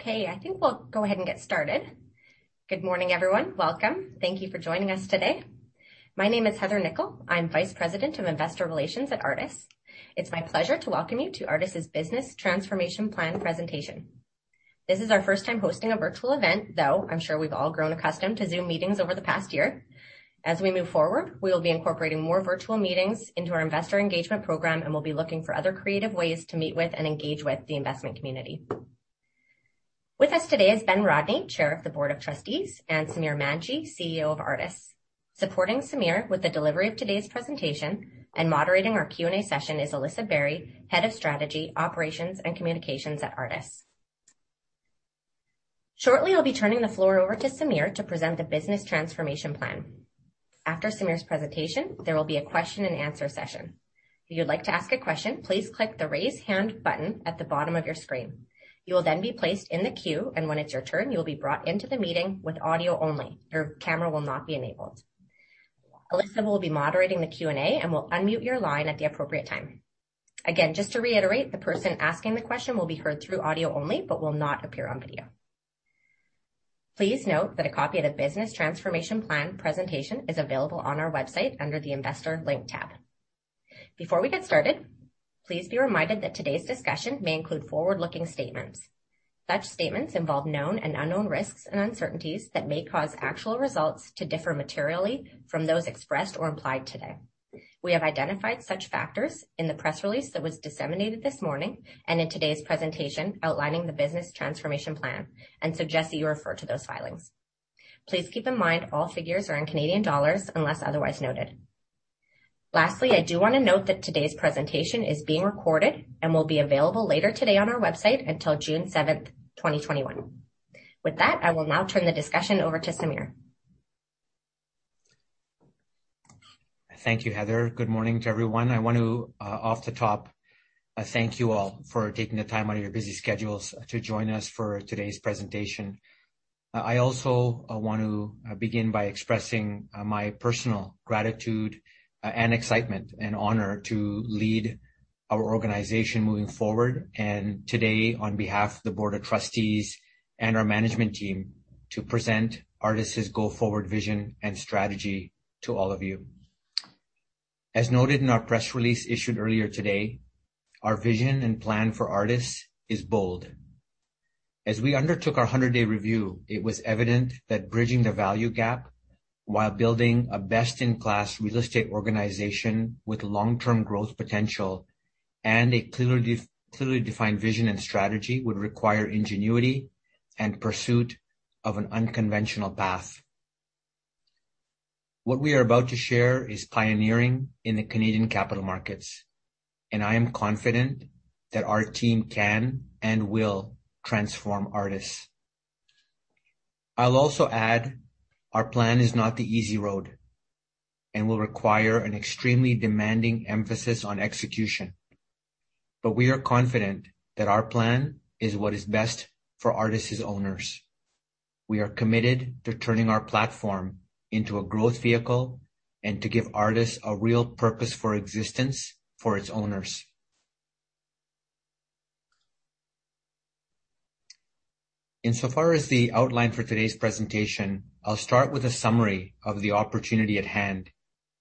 Okay, I think we'll go ahead and get started. Good morning, everyone. Welcome. Thank you for joining us today. My name is Heather Nikkel. I'm Vice-President of Investor Relations at Artis. It's my pleasure to welcome you to Artis' Business Transformation Plan presentation. This is our first time hosting a virtual event, though I'm sure we've all grown accustomed to Zoom meetings over the past year. As we move forward, we will be incorporating more virtual meetings into our investor engagement program, and we'll be looking for other creative ways to meet with and engage with the investment community. With us today is Ben Rodney, Chair of the Board of Trustees, and Samir Manji, CEO of Artis. Supporting Samir with the delivery of today's presentation and moderating our Q&A session is Alyssa Barry, Head of Strategy, Operations and Communications at Artis. Shortly, I'll be turning the floor over to Samir to present the business transformation plan. After Samir's presentation, there will be a question and answer session. If you'd like to ask a question, please click the Raise Hand button at the bottom of your screen. You will then be placed in the queue, and when it's your turn, you'll be brought into the meeting with audio only. Your camera will not be enabled. Alyssa will be moderating the Q&A and will unmute your line at the appropriate time. Again, just to reiterate, the person asking the question will be heard through audio only but will not appear on video. Please note that a copy of the business transformation plan presentation is available on our website under the Investor link tab. Before we get started, please be reminded that today's discussion may include forward-looking statements. Such statements involve known and unknown risks and uncertainties that may cause actual results to differ materially from those expressed or implied today. We have identified such factors in the press release that was disseminated this morning and in today's presentation outlining the business transformation plan and suggest that you refer to those filings. Please keep in mind all figures are in Canadian dollars unless otherwise noted. Lastly, I do want to note that today's presentation is being recorded and will be available later today on our website until June 7th, 2021. With that, I will now turn the discussion over to Samir. Thank you, Heather. Good morning to everyone. I want to, off the top, thank you all for taking the time out of your busy schedules to join us for today's presentation. I also want to begin by expressing my personal gratitude and excitement and honor to lead our organization moving forward, and today, on behalf of the Board of Trustees and our management team, to present Artis' go-forward vision and strategy to all of you. As noted in our press release issued earlier today, our vision and plan for Artis is bold. As we undertook our 100-day review, it was evident that bridging the value gap while building a best-in-class real estate organization with long-term growth potential and a clearly defined vision and strategy would require ingenuity and pursuit of an unconventional path. What we are about to share is pioneering in the Canadian capital markets, and I am confident that our team can and will transform Artis. I'll also add our plan is not the easy road and will require an extremely demanding emphasis on execution, but we are confident that our plan is what is best for Artis' owners. We are committed to turning our platform into a growth vehicle and to give Artis a real purpose for existence for its owners. Insofar as the outline for today's presentation, I'll start with a summary of the opportunity at hand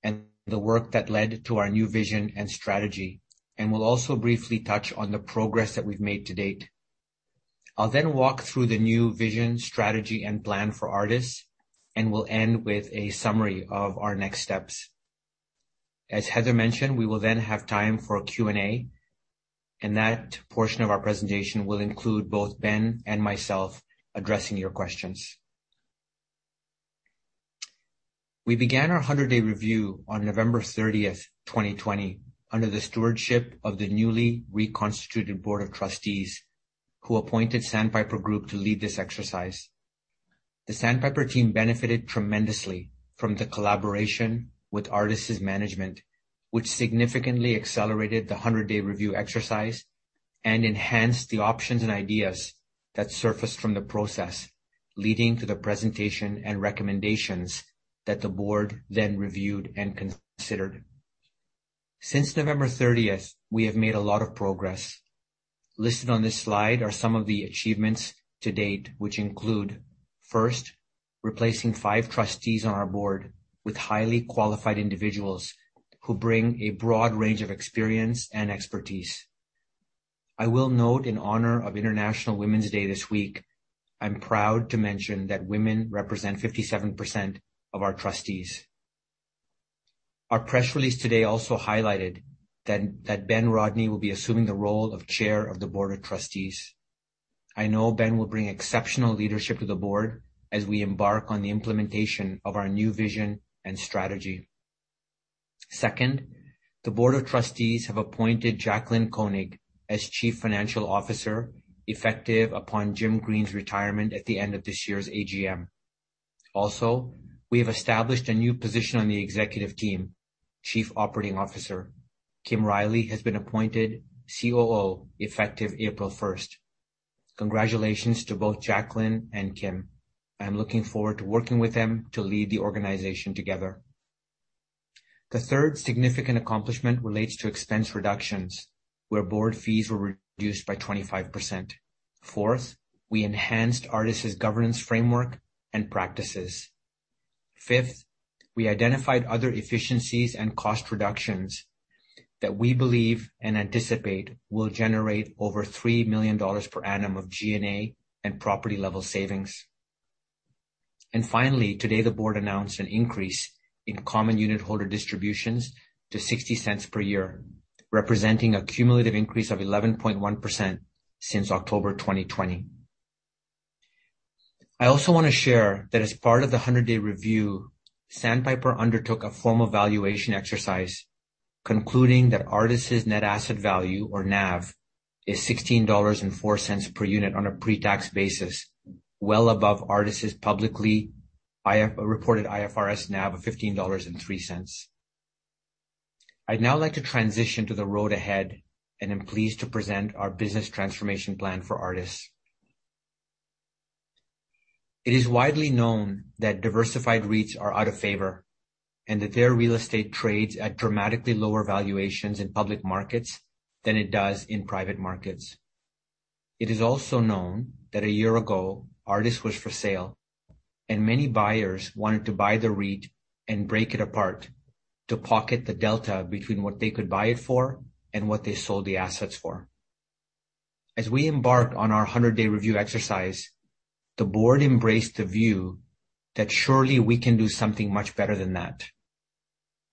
and the work that led to our new vision and strategy, and will also briefly touch on the progress that we've made to date. I'll then walk through the new vision, strategy and plan for Artis, and we'll end with a summary of our next steps. As Heather mentioned, we will then have time for Q&A, and that portion of our presentation will include both Ben and myself addressing your questions. We began our 100-day review on November 30th, 2020, under the stewardship of the newly reconstituted Board of Trustees, who appointed Sandpiper Group to lead this exercise. The Sandpiper team benefited tremendously from the collaboration with Artis' management, which significantly accelerated the 100-day review exercise and enhanced the options and ideas that surfaced from the process, leading to the presentation and recommendations that the board then reviewed and considered. Since November 30th, we have made a lot of progress. Listed on this slide are some of the achievements to date, which include, first, replacing five trustees on our board with highly qualified individuals who bring a broad range of experience and expertise. I will note in honor of International Women's Day this week, I'm proud to mention that women represent 57% of our trustees. Our press release today also highlighted that Ben Rodney will be assuming the role of Chair of the Board of Trustees. I know Ben will bring exceptional leadership to the board as we embark on the implementation of our new vision and strategy. Second, the board of trustees have appointed Jaclyn Koenig as Chief Financial Officer, effective upon Jim Green's retirement at the end of this year's AGM. Also, we have established a new position on the executive team, Chief Operating Officer. Kim Riley has been appointed COO effective April 1st. Congratulations to both Jaclyn and Kim. I am looking forward to working with them to lead the organization together. The third significant accomplishment relates to expense reductions, where board fees were reduced by 25%. Fourth, we enhanced Artis' governance framework and practices. Fifth, we identified other efficiencies and cost reductions that we believe and anticipate will generate over 3 million dollars per annum of G&A and property-level savings. Finally, today the board announced an increase in common unit holder distributions to 0.60 per year, representing a cumulative increase of 11.1% since October 2020. I also want to share that as part of the 100-day review, Sandpiper undertook a formal valuation exercise concluding that Artis' net asset value or NAV is 16.04 dollars per unit on a pre-tax basis, well above Artis' publicly reported IFRS NAV of 15.03 dollars. I'd now like to transition to the road ahead, and I'm pleased to present our business transformation plan for Artis. It is widely known that diversified REITs are out of favor, and that their real estate trades at dramatically lower valuations in public markets than it does in private markets. It is also known that a year ago, Artis was for sale, and many buyers wanted to buy the REIT and break it apart to pocket the delta between what they could buy it for and what they sold the assets for. As we embarked on our 100-day review exercise, the board embraced the view that surely we can do something much better than that.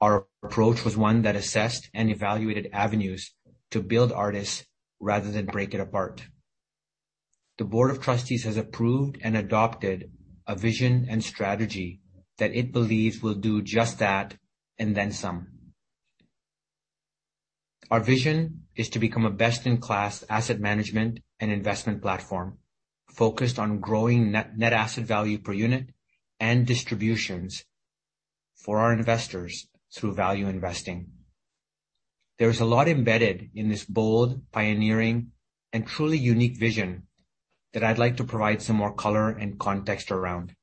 Our approach was one that assessed and evaluated avenues to build Artis rather than break it apart. The board of trustees has approved and adopted a vision and strategy that it believes will do just that and then some. Our vision is to become a best-in-class asset management and investment platform focused on growing net asset value per unit and distributions for our investors through value investing. There is a lot embedded in this bold, pioneering, and truly unique vision that I'd like to provide some more color and context around.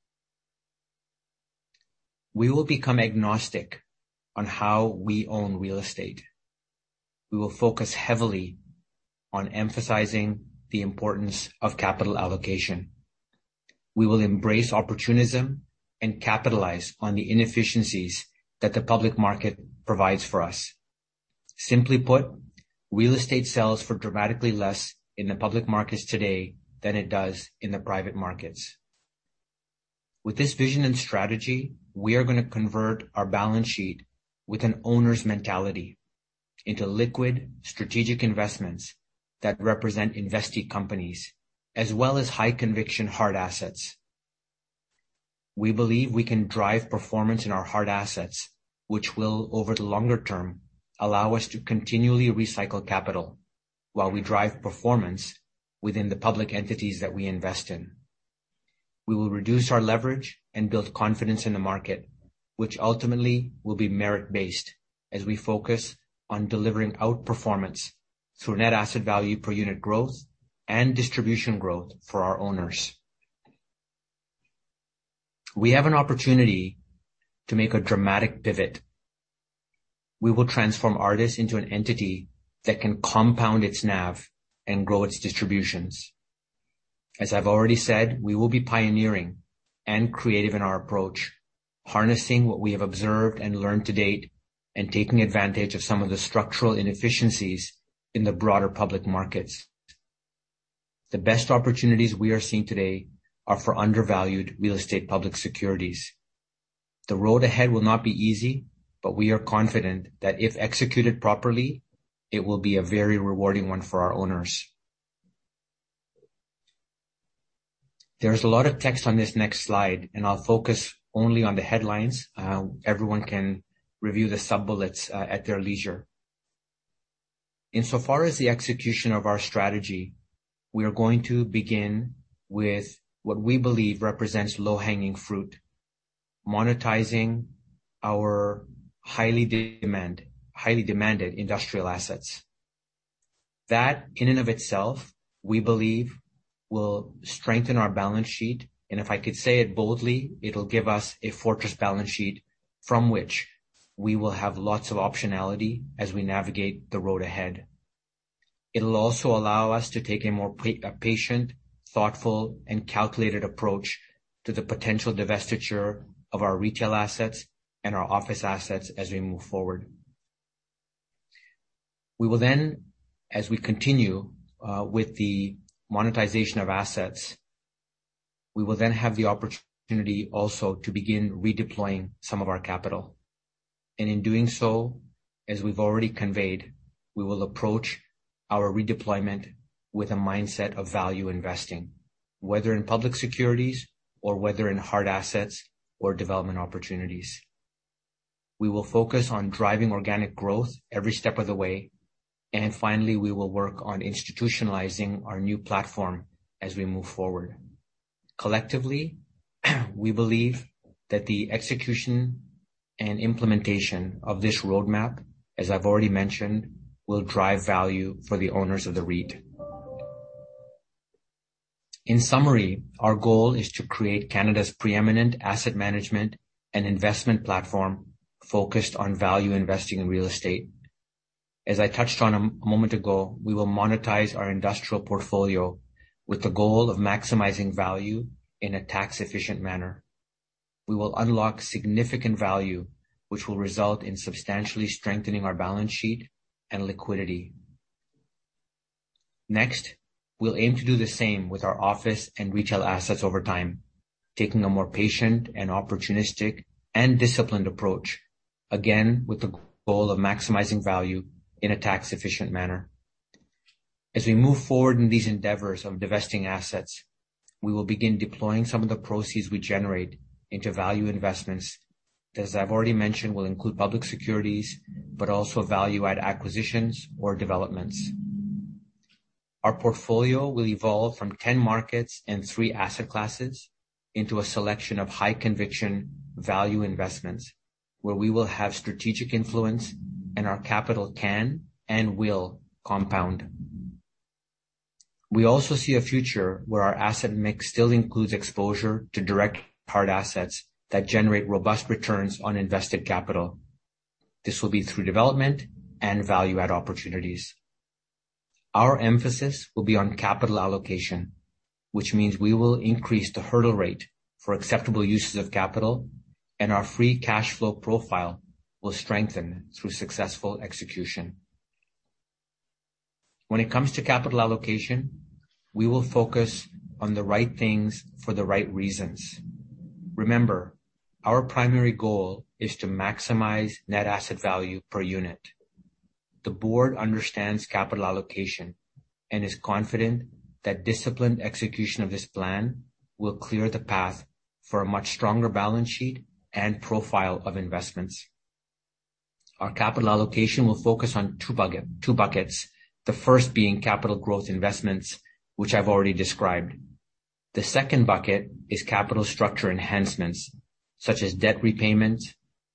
We will become agnostic on how we own real estate. We will focus heavily on emphasizing the importance of capital allocation. We will embrace opportunism and capitalize on the inefficiencies that the public market provides for us. Simply put, real estate sells for dramatically less in the public markets today than it does in the private markets. With this vision and strategy, we are going to convert our balance sheet with an owner's mentality into liquid strategic investments that represent investee companies, as well as high-conviction hard assets. We believe we can drive performance in our hard assets, which will, over the longer term, allow us to continually recycle capital while we drive performance within the public entities that we invest in. We will reduce our leverage and build confidence in the market, which ultimately will be merit-based as we focus on delivering outperformance through net asset value per unit growth and distribution growth for our owners. We have an opportunity to make a dramatic pivot. We will transform Artis into an entity that can compound its NAV and grow its distributions. As I've already said, we will be pioneering and creative in our approach, harnessing what we have observed and learned to date, and taking advantage of some of the structural inefficiencies in the broader public markets. The best opportunities we are seeing today are for undervalued real estate public securities. The road ahead will not be easy, but we are confident that if executed properly, it will be a very rewarding one for our owners. There's a lot of text on this next slide, and I'll focus only on the headlines. Everyone can review the sub-bullets at their leisure. Insofar as the execution of our strategy, we are going to begin with what we believe represents low-hanging fruit, monetizing our highly demanded industrial assets. That in and of itself, we believe, will strengthen our balance sheet. If I could say it boldly, it'll give us a fortress balance sheet from which we will have lots of optionality as we navigate the road ahead. It'll also allow us to take a more patient, thoughtful, and calculated approach to the potential divestiture of our retail assets and our office assets as we move forward. We will, as we continue with the monetization of assets, we will then have the opportunity also to begin redeploying some of our capital. In doing so, as we've already conveyed, we will approach our redeployment with a mindset of value investing, whether in public securities or whether in hard assets or development opportunities. We will focus on driving organic growth every step of the way. Finally, we will work on institutionalizing our new platform as we move forward. Collectively, we believe that the execution and implementation of this roadmap, as I've already mentioned, will drive value for the owners of the REIT. In summary, our goal is to create Canada's preeminent asset management and investment platform focused on value investing in real estate. As I touched on a moment ago, we will monetize our industrial portfolio with the goal of maximizing value in a tax-efficient manner. We will unlock significant value, which will result in substantially strengthening our balance sheet and liquidity. We'll aim to do the same with our office and retail assets over time, taking a more patient and opportunistic and disciplined approach, again, with the goal of maximizing value in a tax-efficient manner. As we move forward in these endeavors of divesting assets, we will begin deploying some of the proceeds we generate into value investments that, as I've already mentioned, will include public securities, but also value-add acquisitions or developments. Our portfolio will evolve from 10 markets and three asset classes into a selection of high-conviction value investments, where we will have strategic influence and our capital can and will compound. We also see a future where our asset mix still includes exposure to direct hard assets that generate robust returns on invested capital. This will be through development and value-add opportunities. Our emphasis will be on capital allocation, which means we will increase the hurdle rate for acceptable uses of capital, and our free cash flow profile will strengthen through successful execution. When it comes to capital allocation, we will focus on the right things for the right reasons. Remember, our primary goal is to maximize net asset value per unit. The board understands capital allocation and is confident that disciplined execution of this plan will clear the path for a much stronger balance sheet and profile of investments. Our capital allocation will focus on two buckets, the first being capital growth investments, which I've already described. The second bucket is capital structure enhancements, such as debt repayment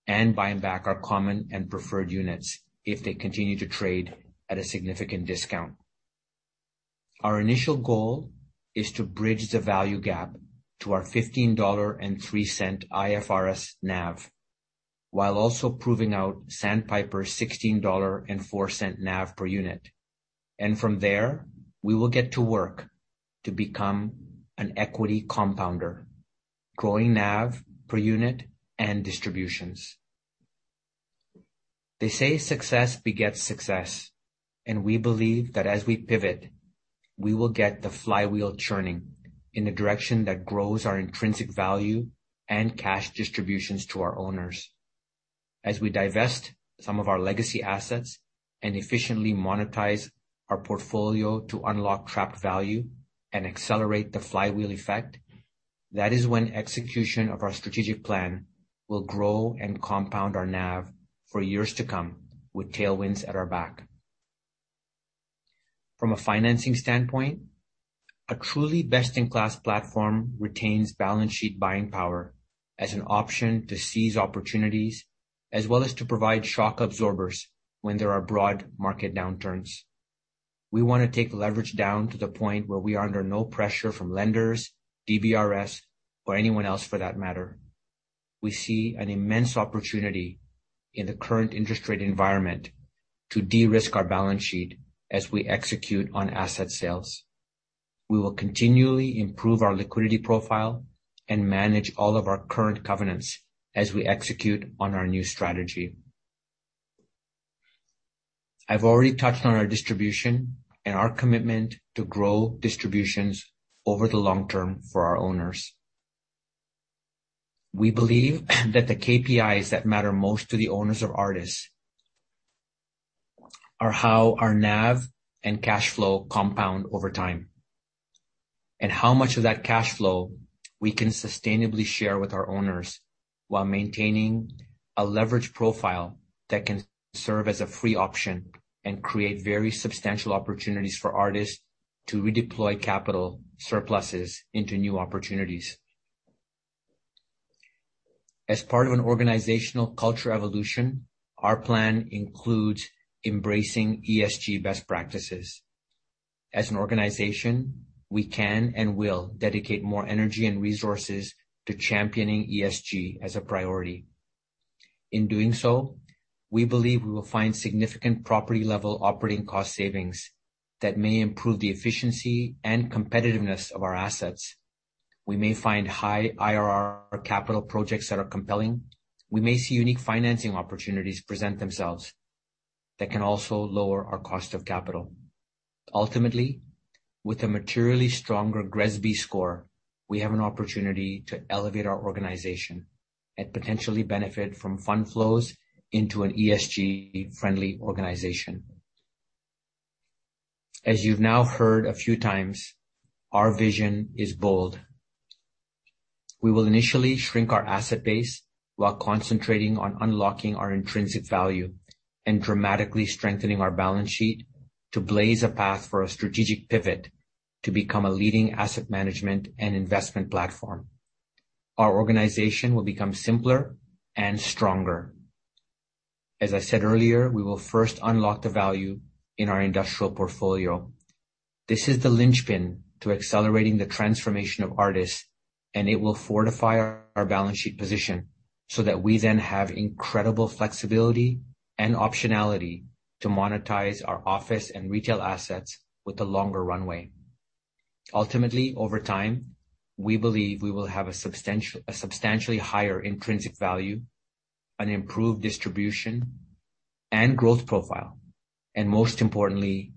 and buying back our common and preferred units if they continue to trade at a significant discount. Our initial goal is to bridge the value gap to our 15.03 dollar IFRS NAV while also proving out Sandpiper's 16.04 NAV per unit. From there, we will get to work to become an equity compounder, growing NAV per unit and distributions. They say success begets success, and we believe that as we pivot, we will get the flywheel churning in a direction that grows our intrinsic value and cash distributions to our owners. As we divest some of our legacy assets and efficiently monetize our portfolio to unlock trapped value and accelerate the flywheel effect, that is when execution of our strategic plan will grow and compound our NAV for years to come with tailwinds at our back. From a financing standpoint, a truly best-in-class platform retains balance sheet buying power as an option to seize opportunities, as well as to provide shock absorbers when there are broad market downturns. We want to take leverage down to the point where we are under no pressure from lenders, DBRS, or anyone else for that matter. We see an immense opportunity in the current interest rate environment to de-risk our balance sheet as we execute on asset sales. We will continually improve our liquidity profile and manage all of our current covenants as we execute on our new strategy. I've already touched on our distribution and our commitment to grow distributions over the long term for our owners. We believe that the KPIs that matter most to the owners of Artis are how our NAV and cash flow compound over time and how much of that cash flow we can sustainably share with our owners while maintaining a leverage profile that can serve as a free option and create very substantial opportunities for Artis to redeploy capital surpluses into new opportunities. As part of an organizational culture evolution, our plan includes embracing ESG best practices. As an organization, we can and will dedicate more energy and resources to championing ESG as a priority. In doing so, we believe we will find significant property-level operating cost savings that may improve the efficiency and competitiveness of our assets. We may find high IRR capital projects that are compelling. We may see unique financing opportunities present themselves that can also lower our cost of capital. Ultimately, with a materially stronger GRESB score, we have an opportunity to elevate our organization and potentially benefit from fund flows into an ESG-friendly organization. As you've now heard a few times, our vision is bold. We will initially shrink our asset base while concentrating on unlocking our intrinsic value and dramatically strengthening our balance sheet to blaze a path for a strategic pivot to become a leading asset management and investment platform. Our organization will become simpler and stronger. As I said earlier, we will first unlock the value in our industrial portfolio. This is the linchpin to accelerating the transformation of Artis, and it will fortify our balance sheet position so that we then have incredible flexibility and optionality to monetize our office and retail assets with a longer runway. Ultimately, over time, we believe we will have a substantially higher intrinsic value, an improved distribution, and growth profile. Most importantly,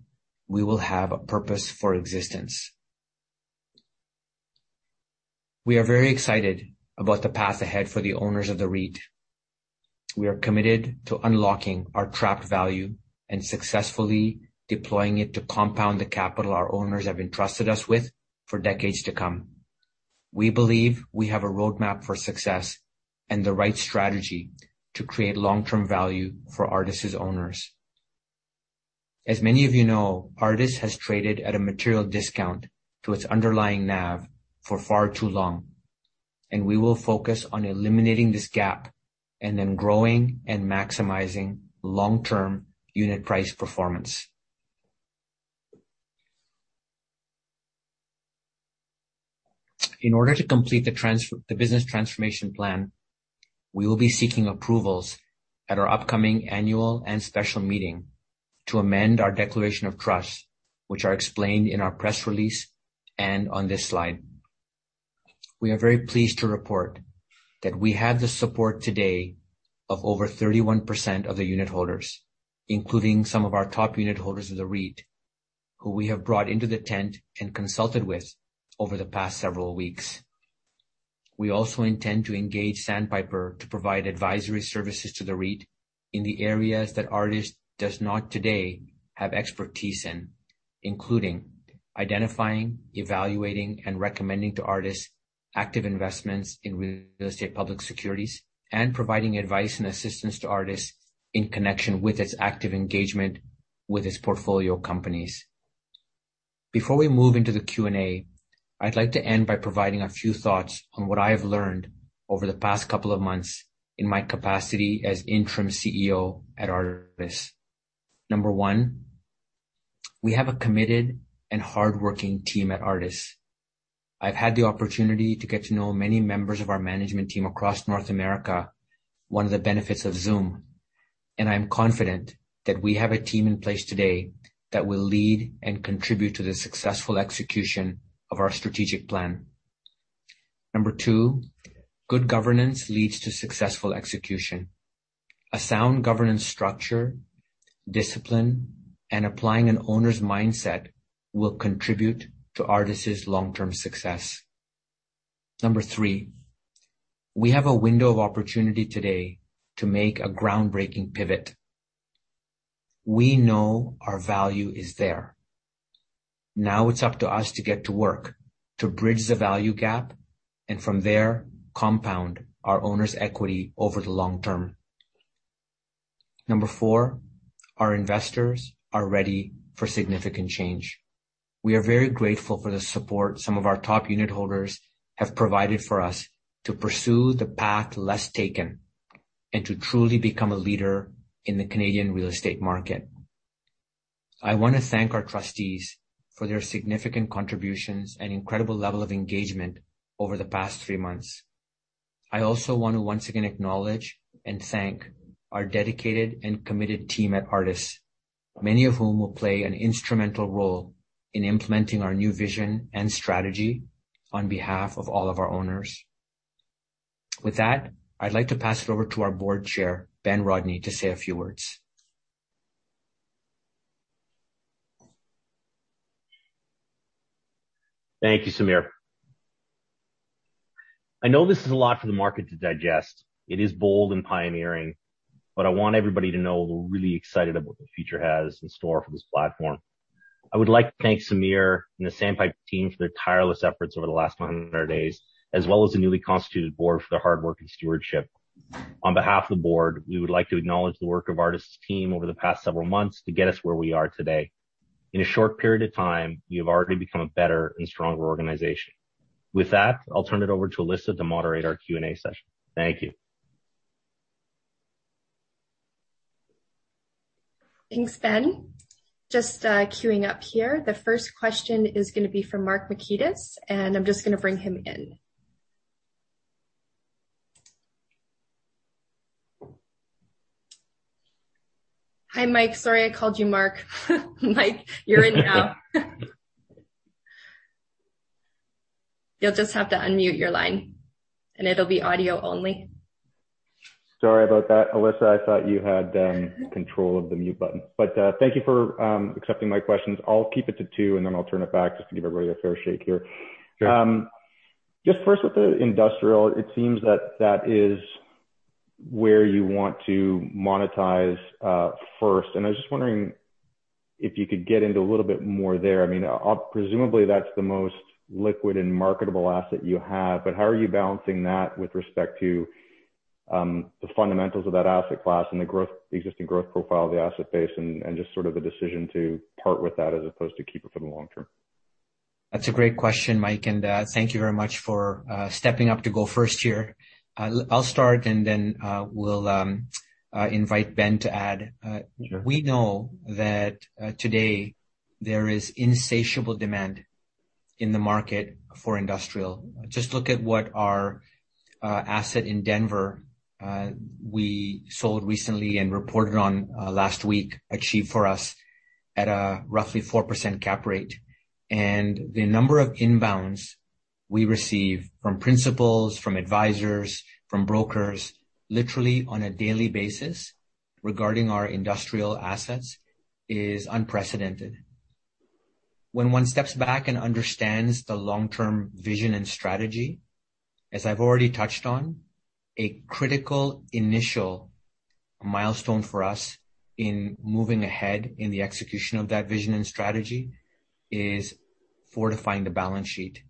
we will have a purpose for existence. We are very excited about the path ahead for the owners of the REIT. We are committed to unlocking our trapped value and successfully deploying it to compound the capital our owners have entrusted us with for decades to come. We believe we have a roadmap for success and the right strategy to create long-term value for Artis' owners. Many of you know, Artis has traded at a material discount to its underlying NAV for far too long, and we will focus on eliminating this gap and then growing and maximizing long-term unit price performance. In order to complete the business transformation plan, we will be seeking approvals at our upcoming annual and special meeting to amend our declaration of trust, which are explained in our press release and on this slide. We are very pleased to report that we have the support today of over 31% of the unit holders, including some of our top unit holders of the REIT, who we have brought into the tent and consulted with over the past several weeks. We also intend to engage Sandpiper to provide advisory services to the REIT in the areas that Artis does not today have expertise in, including identifying, evaluating, and recommending to Artis active investments in real estate public securities, and providing advice and assistance to Artis in connection with its active engagement with its portfolio companies. Before we move into the Q&A, I'd like to end by providing a few thoughts on what I have learned over the past couple of months in my capacity as interim CEO at Artis. Number one, we have a committed and hardworking team at Artis. I've had the opportunity to get to know many members of our management team across North America, one of the benefits of Zoom. I'm confident that we have a team in place today that will lead and contribute to the successful execution of our strategic plan. Number two, good governance leads to successful execution. A sound governance structure, discipline, and applying an owner's mindset will contribute to Artis' long-term success. Number three, we have a window of opportunity today to make a groundbreaking pivot. We know our value is there. Now it's up to us to get to work to bridge the value gap, and from there, compound our owner's equity over the long term. Number four, our investors are ready for significant change. We are very grateful for the support some of our top unit holders have provided for us to pursue the path less taken and to truly become a leader in the Canadian real estate market. I want to thank our trustees for their significant contributions and incredible level of engagement over the past three months. I also want to once again acknowledge and thank our dedicated and committed team at Artis, many of whom will play an instrumental role in implementing our new vision and strategy on behalf of all of our owners. I'd like to pass it over to our Board Chair, Ben Rodney, to say a few words. Thank you, Samir. I know this is a lot for the market to digest. It is bold and pioneering, I want everybody to know we're really excited about what the future has in store for this platform. I would like to thank Samir and the Sandpiper team for their tireless efforts over the last 100 days, as well as the newly constituted board for their hard work and stewardship. On behalf of the board, we would like to acknowledge the work of Artis' team over the past several months to get us where we are today. In a short period of time, you have already become a better and stronger organization. With that, I'll turn it over to Alyssa to moderate our Q&A session. Thank you. Thanks, Ben. Just queuing up here. The first question is going to be from Mike Markidis. I'm just going to bring him in. Hi, Mike. Sorry, I called you Mark. Mike, you're in now. You'll just have to unmute your line. It'll be audio only. Sorry about that, Alyssa. I thought you had control of the mute button. Thank you for accepting my questions. I'll keep it to two, and then I'll turn it back just to give everybody a fair shake here. Sure. Just first with the industrial, it seems that that is where you want to monetize first. I was just wondering if you could get into a little bit more there. Presumably, that's the most liquid and marketable asset you have. How are you balancing that with respect to the fundamentals of that asset class and the existing growth profile of the asset base, and just sort of the decision to part with that as opposed to keep it for the long term? That's a great question, Mike, and thank you very much for stepping up to go first here. I'll start and then we'll invite Ben to add. Sure. We know that today there is insatiable demand in the market for industrial. Just look at what our asset in Denver, we sold recently and reported on last week, achieved for us at a roughly 4% cap rate. The number of inbounds we receive from principals, from advisors, from brokers, literally on a daily basis regarding our industrial assets is unprecedented. When one steps back and understands the long-term vision and strategy, as I've already touched on, a critical initial milestone for us in moving ahead in the execution of that vision and strategy is fortifying the balance sheet.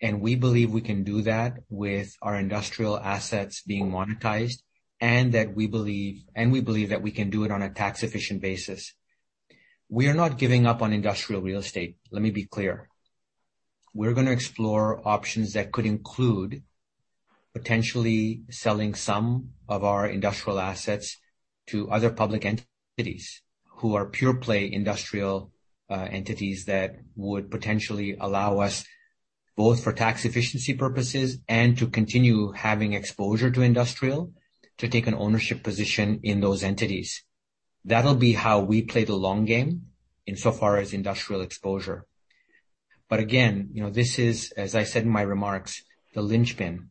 We believe we can do that with our industrial assets being monetized and we believe that we can do it on a tax-efficient basis. We are not giving up on industrial real estate, let me be clear. We're going to explore options that could include potentially selling some of our industrial assets to other public entities who are pure play industrial entities that would potentially allow us, both for tax efficiency purposes and to continue having exposure to industrial, to take an ownership position in those entities. That'll be how we play the long game in so far as industrial exposure. Again, this is, as I said in my remarks, the linchpin,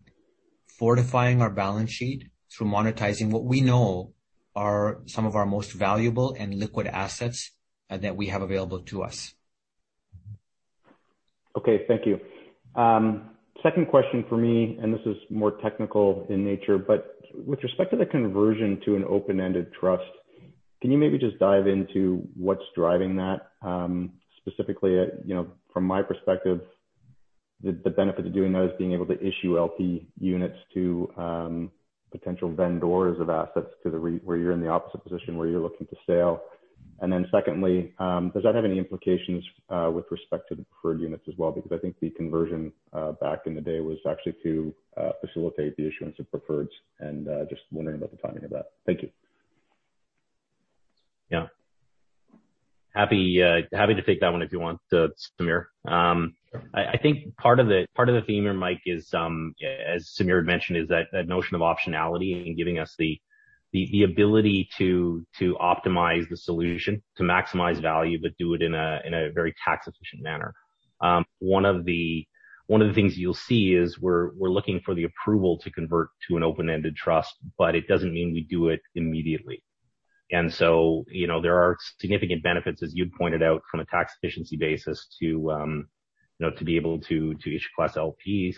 fortifying our balance sheet through monetizing what we know are some of our most valuable and liquid assets that we have available to us. Okay. Thank you. Second question for me, and this is more technical in nature, but with respect to the conversion to an open-ended trust, can you maybe just dive into what's driving that? Specifically, from my perspective, the benefit to doing that is being able to issue LP units to potential vendors of assets where you're in the opposite position, where you're looking to sell. Secondly, does that have any implications with respect to preferred units as well? Because I think the conversion back in the day was actually to facilitate the issuance of preferreds, and just wondering about the timing of that. Thank you. Happy to take that one if you want, Samir. I think part of the theme here, Mike, is as Samir had mentioned, is that notion of optionality and giving us the ability to optimize the solution, to maximize value, but do it in a very tax efficient manner. One of the things you'll see is we're looking for the approval to convert to an open-ended trust, but it doesn't mean we do it immediately. There are significant benefits, as you pointed out, from a tax efficiency basis to be able to issue Class LPs,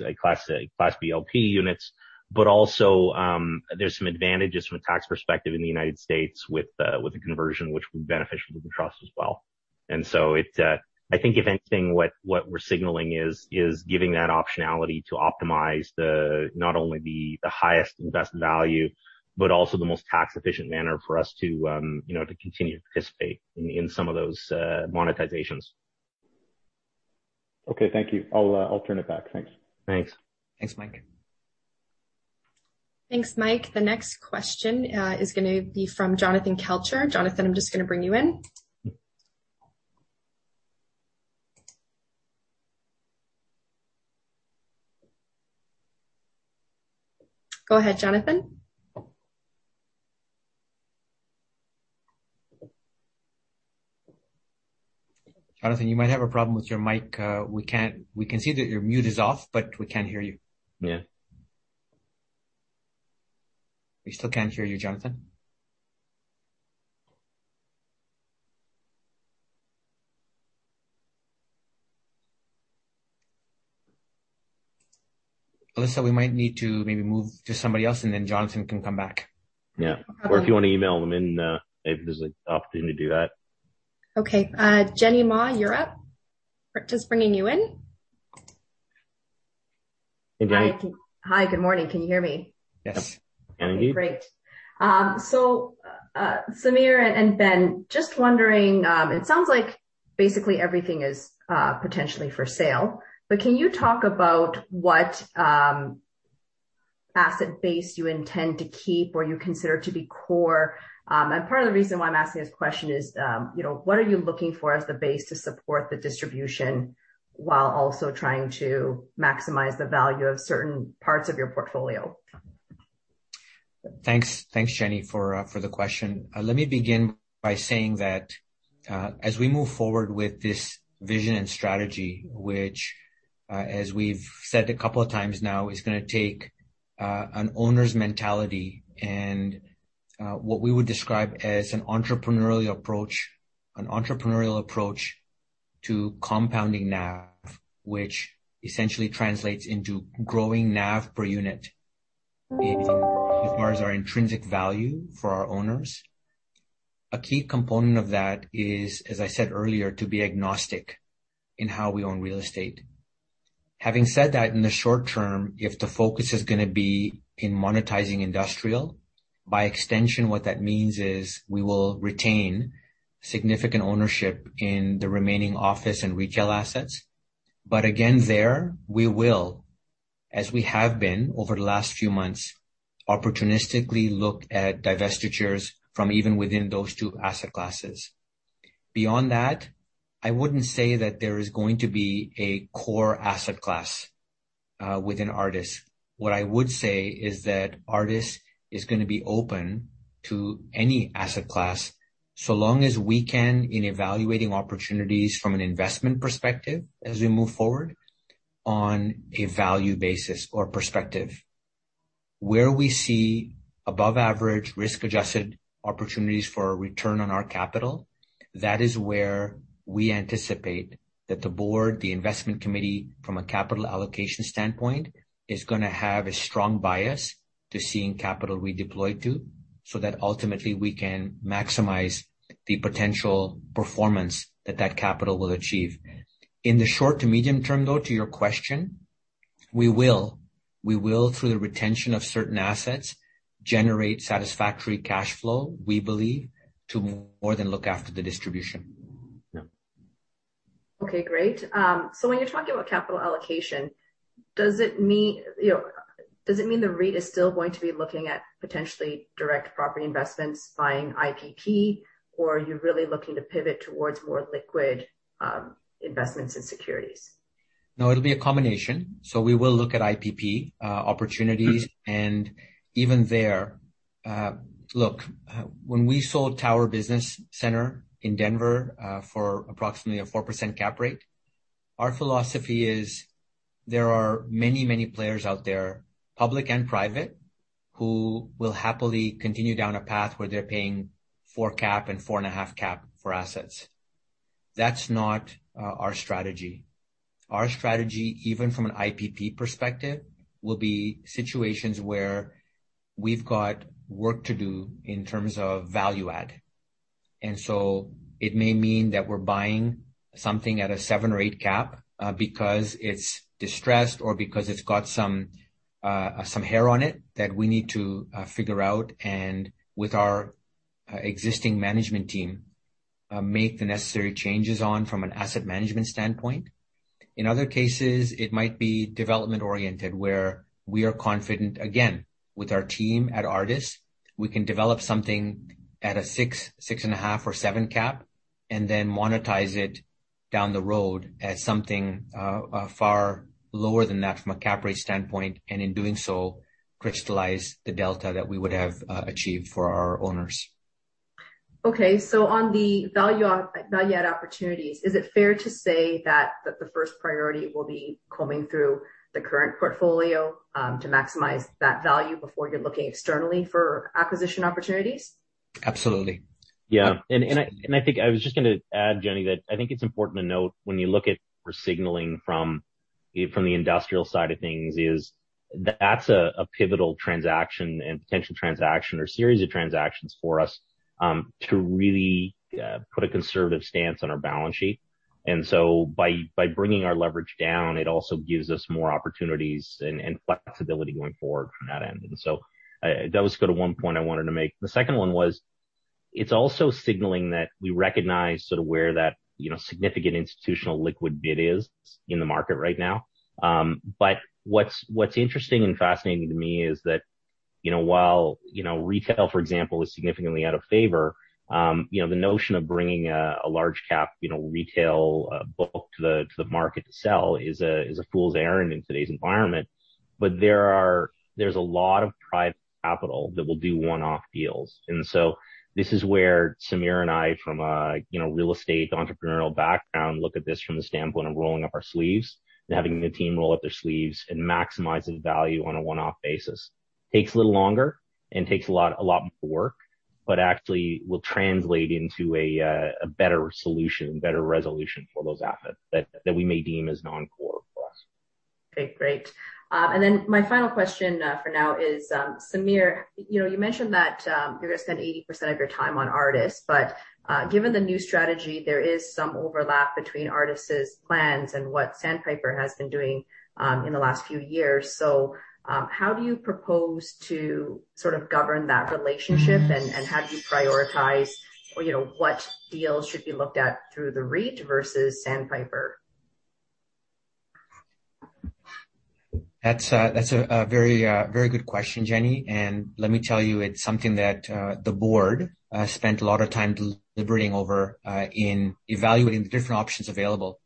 Class B LP units. There's some advantages from a tax perspective in the United States with the conversion, which would be beneficial to the trust as well. I think if anything, what we're signaling is giving that optionality to optimize not only the highest and best value, but also the most tax efficient manner for us to continue to participate in some of those monetizations. Okay, thank you. I'll turn it back. Thanks. Thanks. Thanks, Mike. Thanks, Mike. The next question is going to be from Jonathan Kelcher. Jonathan, I'm just going to bring you in. Go ahead, Jonathan. Jonathan, you might have a problem with your mic. We can see that your mute is off, but we can't hear you. Yeah. We still can't hear you, Jonathan. Alyssa, we might need to maybe move to somebody else, and then Jonathan can come back. Yeah. If you want to email him in, if there's an opportunity to do that. Okay. Jenny Ma, you're up. Just bringing you in. Hey, Jenny. Hi. Good morning. Can you hear me? Yes. Can indeed. Great. Samir and Ben, just wondering, it sounds like basically everything is potentially for sale. Can you talk about what asset base you intend to keep or you consider to be core? Part of the reason why I'm asking this question is, what are you looking for as the base to support the distribution while also trying to maximize the value of certain parts of your portfolio? Thanks. Thanks, Jenny, for the question. Let me begin by saying that as we move forward with this vision and strategy, which, as we've said a couple of times now, is going to take an owner's mentality and what we would describe as an entrepreneurial approach to compounding NAV, which essentially translates into growing NAV per unit as far as our intrinsic value for our owners. A key component of that is, as I said earlier, to be agnostic in how we own real estate. Having said that, in the short term, if the focus is going to be in monetizing industrial, by extension, what that means is we will retain significant ownership in the remaining office and retail assets. Again, there, we will, as we have been over the last few months, opportunistically look at divestitures from even within those two asset classes. Beyond that, I wouldn't say that there is going to be a core asset class within Artis. What I would say is that Artis is going to be open to any asset class, so long as we can, in evaluating opportunities from an investment perspective as we move forward on a value basis or perspective. Where we see above-average risk-adjusted opportunities for a return on our capital, that is where we anticipate that the board, the investment committee, from a capital allocation standpoint, is going to have a strong bias to seeing capital redeployed to, so that ultimately we can maximize the potential performance that that capital will achieve. In the short to medium term, though, to your question, we will through the retention of certain assets, generate satisfactory cash flow, we believe, to more than look after the distribution. Yeah. Okay, great. When you're talking about capital allocation, does it mean the REIT is still going to be looking at potentially direct property investments, buying IPP, or are you really looking to pivot towards more liquid investments in securities? No, it'll be a combination. We will look at IPP opportunities. Even there, look, when we sold Tower Business Center in Denver for approximately a 4% cap rate, our philosophy is there are many players out there, public and private, who will happily continue down a path where they're paying four cap and four and a half cap for assets. That's not our strategy. Our strategy, even from an IPP perspective, will be situations where we've got work to do in terms of value add. It may mean that we're buying something at a seven or eight cap because it's distressed or because it's got some hair on it that we need to figure out, and with our existing management team, make the necessary changes on from an asset management standpoint. In other cases, it might be development oriented, where we are confident, again, with our team at Artis, we can develop something at a six and a half, or seven cap, and then monetize it down the road at something far lower than that from a cap rate standpoint. In doing so, crystallize the delta that we would have achieved for our owners. Okay. On the value add opportunities, is it fair to say that the first priority will be combing through the current portfolio to maximize that value before you're looking externally for acquisition opportunities? Absolutely. Yeah. I think I was just going to add, Jenny, that I think it's important to note when you look at we're signaling from the industrial side of things is that's a pivotal transaction and potential transaction or series of transactions for us to really put a conservative stance on our balance sheet. By bringing our leverage down, it also gives us more opportunities and flexibility going forward from that end. That was sort of one point I wanted to make. The second one was, it's also signaling that we recognize sort of where that significant institutional liquid bid is in the market right now. What's interesting and fascinating to me is that, while retail, for example, is significantly out of favor. The notion of bringing a large cap retail book to the market to sell is a fool's errand in today's environment. There's a lot of private capital that will do one-off deals. This is where Samir and I from a real estate entrepreneurial background look at this from the standpoint of rolling up our sleeves and having the team roll up their sleeves and maximizing value on a one-off basis. Takes a little longer and takes a lot more work, but actually will translate into a better solution, better resolution for those assets that we may deem as non-core for us. Okay, great. My final question for now is, Samir, you mentioned that you're going to spend 80% of your time on Artis. Given the new strategy, there is some overlap between Artis' plans and what Sandpiper has been doing in the last few years. How do you propose to sort of govern that relationship and how do you prioritize what deals should be looked at through the REIT versus Sandpiper? That's a very good question, Jenny. Let me tell you, it's something that the board spent a lot of time deliberating over in evaluating the different options available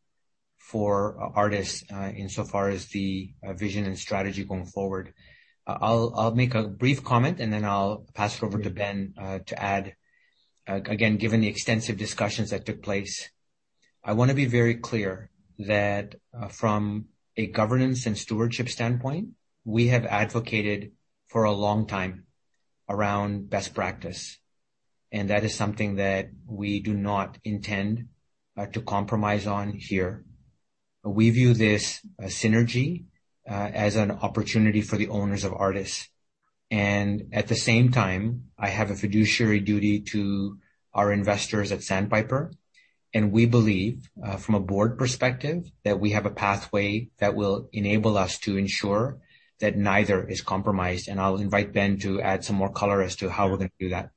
for Artis insofar as the vision and strategy going forward. I'll make a brief comment, and then I'll pass it over to Ben to add. Again, given the extensive discussions that took place, I want to be very clear that from a governance and stewardship standpoint, we have advocated for a long time around best practice, and that is something that we do not intend to compromise on here. We view this synergy as an opportunity for the owners of Artis. At the same time, I have a fiduciary duty to our investors at Sandpiper, and we believe, from a board perspective, that we have a pathway that will enable us to ensure that neither is compromised. I'll invite Ben to add some more color as to how we're going to do that.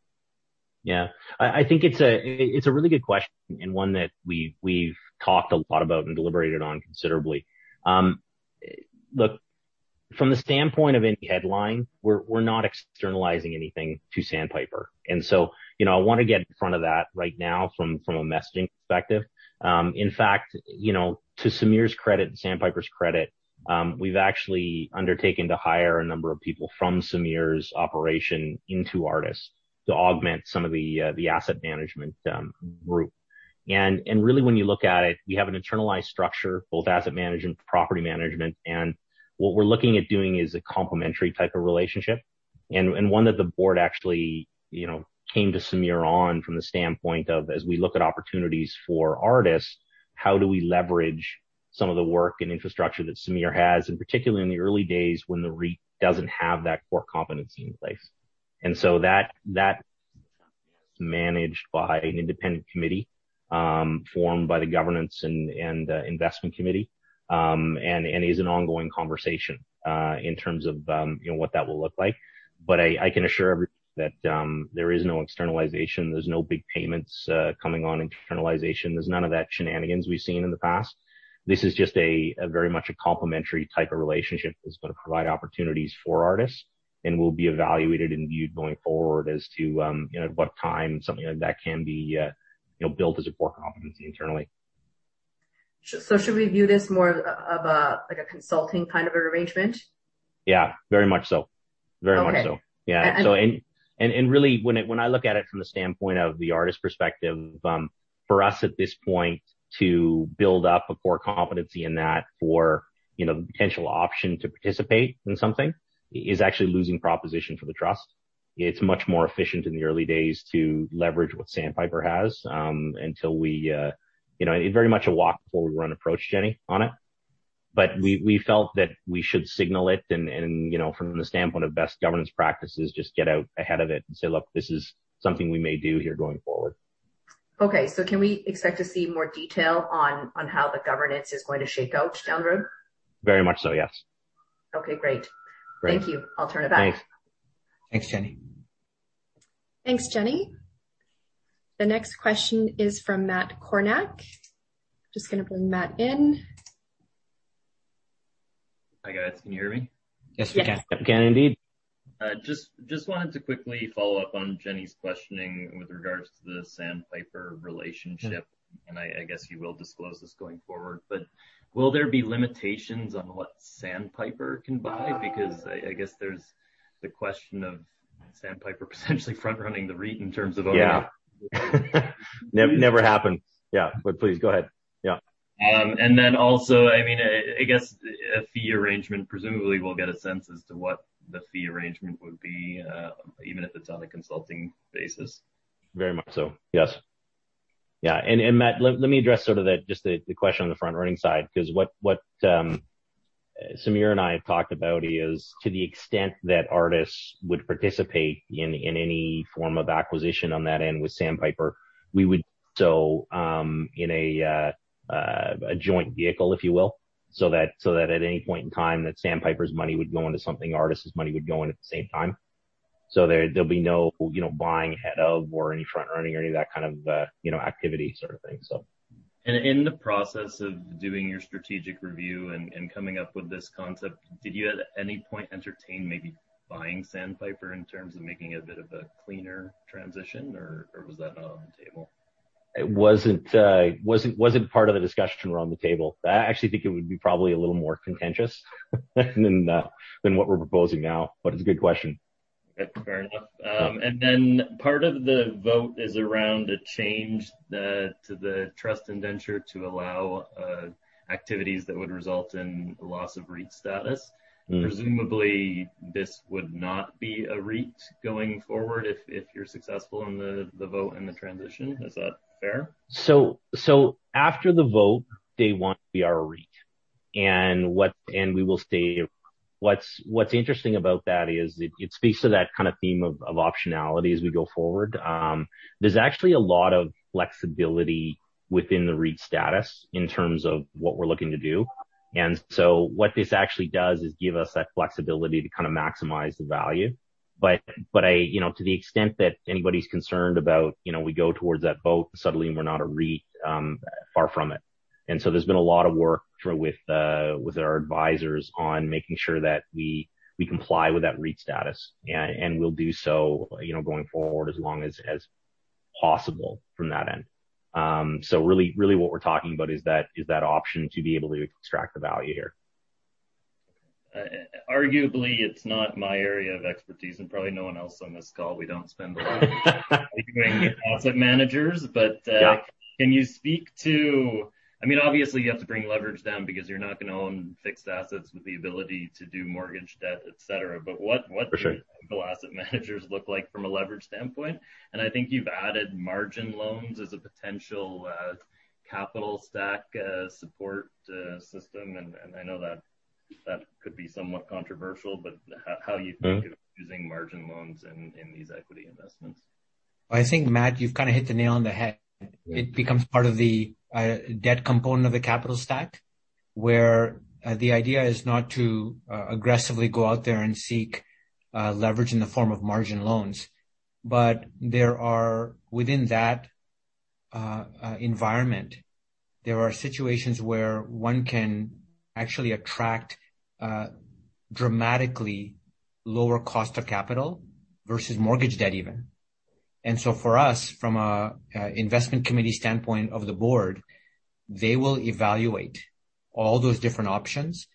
Yeah. I think it's a really good question, and one that we've talked a lot about and deliberated on considerably. I want to get in front of that right now from a messaging perspective. In fact, to Samir's credit and Sandpiper's credit, we've actually undertaken to hire a number of people from Samir's operation into Artis to augment some of the asset management group. Really when you look at it, we have an internalized structure, both asset management, property management, and what we're looking at doing is a complementary type of relationship. One that the board actually came to Samir on from the standpoint of, as we look at opportunities for Artis, how do we leverage some of the work and infrastructure that Samir has, and particularly in the early days when the REIT doesn't have that core competency in place. That is managed by an independent committee, formed by the governance and investment committee. Is an ongoing conversation, in terms of what that will look like. I can assure everyone that there is no externalization. There's no big payments coming on internalization. There's none of that shenanigans we've seen in the past. This is just a very much a complementary type of relationship that's going to provide opportunities for Artis and will be evaluated and viewed going forward as to what time something like that can be built as a core competency internally. Should we view this more of a consulting kind of arrangement? Yeah, very much so. Okay. Really when I look at it from the standpoint of the Artis perspective, for us at this point to build up a core competency in that for the potential option to participate in something is actually losing proposition for the trust. It's much more efficient in the early days to leverage what Sandpiper has. It's very much a walk before we run approach, Jenny, on it. We felt that we should signal it and from the standpoint of best governance practices, just get out ahead of it and say, look, this is something we may do here going forward. Okay. Can we expect to see more detail on how the governance is going to shake out down the road? Very much so, yes. Okay, great. Great. Thank you. I'll turn it back. Thanks. Thanks, Jenny. Thanks, Jenny. The next question is from Matt Kornack. Just going to bring Matt in. Hi, guys. Can you hear me? Yes, we can. We can indeed. Just wanted to quickly follow up on Jenny's questioning with regards to the Sandpiper relationship, I guess you will disclose this going forward, but will there be limitations on what Sandpiper can buy? I guess there's the question of Sandpiper potentially front-running the REIT in terms of owning. Yeah. Never happened. Yeah. Please go ahead. Yeah. Also, I guess a fee arrangement, presumably we'll get a sense as to what the fee arrangement would be, even if it's on a consulting basis. Very much so, yes. Yeah. Matt, let me address sort of the just the question on the front-running side, because what Samir and I have talked about is to the extent that Artis would participate in any form of acquisition on that end with Sandpiper, we would do so in a joint vehicle, if you will, so that at any point in time that Sandpiper's money would go into something, Artis's money would go in at the same time. There'll be no buying ahead of or any front-running or any of that kind of activity sort of thing. In the process of doing your strategic review and coming up with this concept, did you at any point entertain maybe buying Sandpiper in terms of making a bit of a cleaner transition, or was that not on the table? It wasn't part of the discussion or on the table. I actually think it would be probably a little more contentious than what we're proposing now, but it's a good question. Fair enough. Part of the vote is around a change to the trust indenture to allow activities that would result in a loss of REIT status. Presumably, this would not be a REIT going forward if you're successful in the vote and the transition. Is that fair? After the vote, day one, we are a REIT. We will stay a REIT. What's interesting about that is it speaks to that kind of theme of optionality as we go forward. There's actually a lot of flexibility within the REIT status in terms of what we're looking to do. What this actually does is give us that flexibility to kind of maximize the value. To the extent that anybody's concerned about we go towards that vote and suddenly we're not a REIT, far from it. There's been a lot of work with our advisors on making sure that we comply with that REIT status, and we'll do so going forward as long as possible from that end. Really what we're talking about is that option to be able to extract the value here. Arguably, it's not my area of expertise and probably no one else on this call. We don't spend a lot of time. Asset managers. Yeah Can you speak to, I mean, obviously you have to bring leverage down because you're not going to own fixed assets with the ability to do mortgage debt, et cetera. For sure. Will asset managers look like from a leverage standpoint? I think you've added margin loans as a potential capital stack support system, and I know that could be somewhat controversial, but how are you using margin loans in these equity investments? I think, Matt, you've kind of hit the nail on the head. It becomes part of the debt component of the capital stack, where the idea is not to aggressively go out there and seek leverage in the form of margin loans. Within that environment, there are situations where one can actually attract dramatically lower cost of capital versus mortgage debt even. For us, from an investment committee standpoint of the board, they will evaluate all those different options.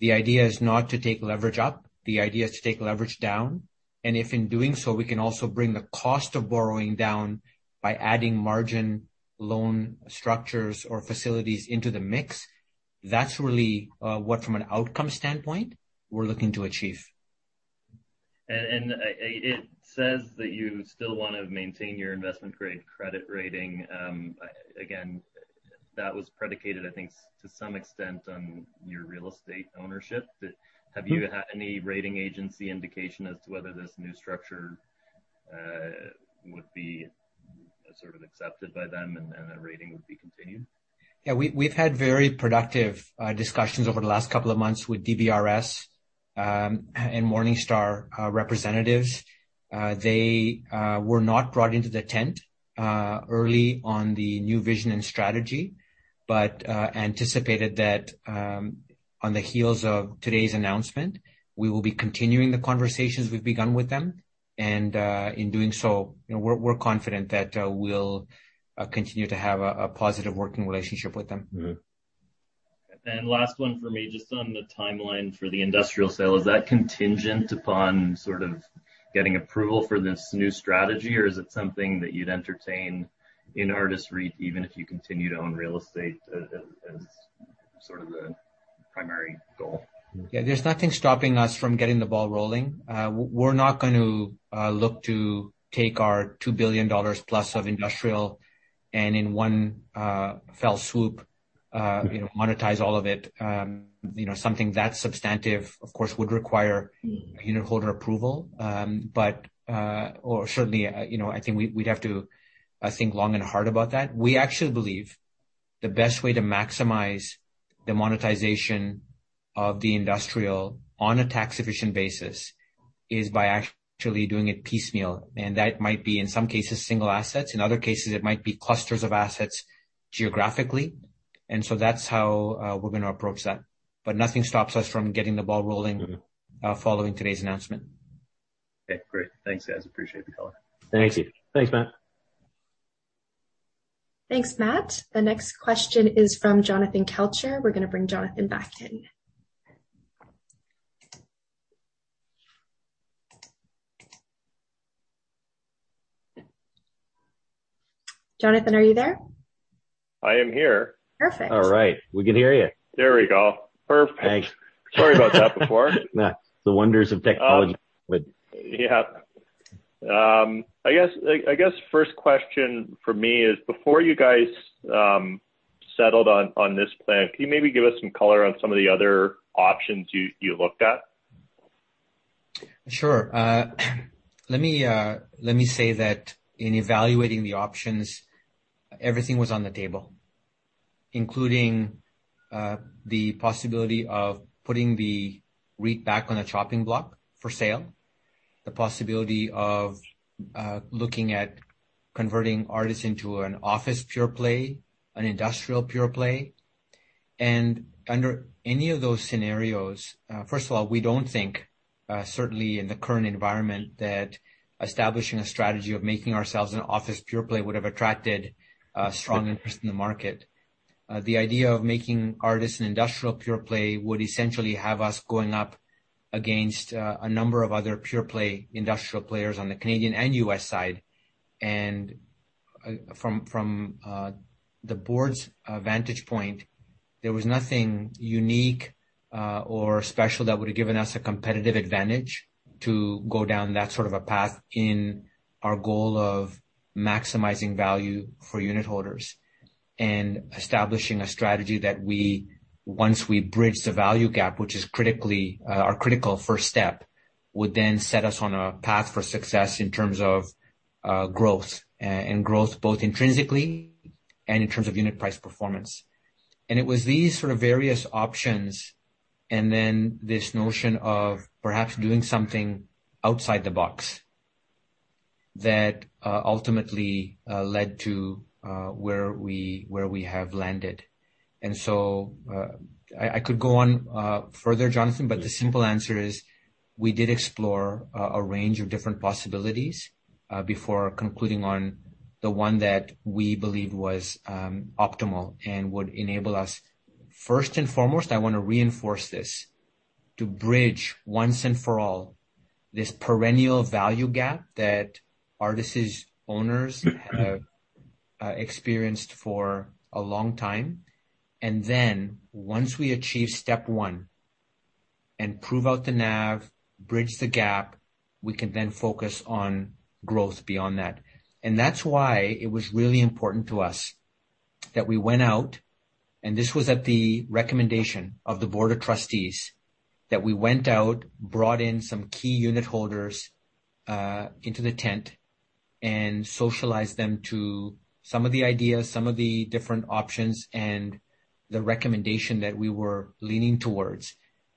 The idea is not to take leverage up. The idea is to take leverage down, and if in doing so, we can also bring the cost of borrowing down by adding margin loan structures or facilities into the mix. That's really what, from an outcome standpoint, we're looking to achieve. It says that you still want to maintain your investment-grade credit rating. Again, that was predicated, I think, to some extent, on your real estate ownership. Have you had any rating agency indication as to whether this new structure would be accepted by them, and the rating would be continued? Yeah. We've had very productive discussions over the last couple of months with DBRS and Morningstar representatives. They were not brought into the tent early on the new vision and strategy, but anticipated that on the heels of today's announcement, we will be continuing the conversations we've begun with them. In doing so, we're confident that we'll continue to have a positive working relationship with them. Last one for me, just on the timeline for the industrial sale. Is that contingent upon getting approval for this new strategy, or is it something that you'd entertain in Artis REIT even if you continue to own real estate as sort of the primary goal? Yeah. There's nothing stopping us from getting the ball rolling. We're not going to look to take our 2 billion dollars plus of industrial, in one fell swoop monetize all of it. Something that substantive, of course, would require unitholder approval. Certainly, I think we'd have to think long and hard about that. We actually believe the best way to maximize the monetization of the industrial on a tax-efficient basis is by actually doing it piecemeal. That might be, in some cases, single assets. In other cases, it might be clusters of assets geographically. That's how we're going to approach that. Nothing stops us from getting the ball rolling following today's announcement. Okay, great. Thanks, guys. Appreciate the call. Thank you. Thanks, Matt. Thanks, Matt. The next question is from Jonathan Kelcher. We're going to bring Jonathan back in. Jonathan, are you there? I am here. Perfect. All right. We can hear you. There we go. Perfect. Thanks. Sorry about that before. The wonders of technology. Yeah. I guess first question for me is, before you guys settled on this plan, can you maybe give us some color on some of the other options you looked at? Sure. Let me say that in evaluating the options, everything was on the table, including the possibility of putting the REIT back on the chopping block for sale, the possibility of looking at converting Artis into an office pure-play, an industrial pure-play. Under any of those scenarios, first of all, we don't think, certainly in the current environment, that establishing a strategy of making ourselves an office pure-play would have attracted a strong interest in the market. The idea of making Artis an industrial pure-play would essentially have us going up against a number of other pure-play industrial players on the Canadian and U.S. side. From the board's vantage point, there was nothing unique or special that would've given us a competitive advantage to go down that sort of a path in our goal of maximizing value for unit holders and establishing a strategy that once we bridge the value gap, which is our critical first step, would then set us on a path for success in terms of growth, and growth both intrinsically and in terms of unit price performance. It was these sort of various options, and then this notion of perhaps doing something outside the box that ultimately led to where we have landed. I could go on further, Jonathan. The simple answer is we did explore a range of different possibilities before concluding on the one that we believed was optimal and would enable us, first and foremost, I want to reinforce this, to bridge once and for all this perennial value gap that Artis' owners have experienced for a long time. Then once we achieve step one and prove out the NAV, bridge the gap, we can then focus on growth beyond that. That's why it was really important to us that we went out, and this was at the recommendation of the Board of Trustees, that we went out, brought in some key unitholders into the tent, and socialized them to some of the ideas, some of the different options, and the recommendation that we were leaning towards.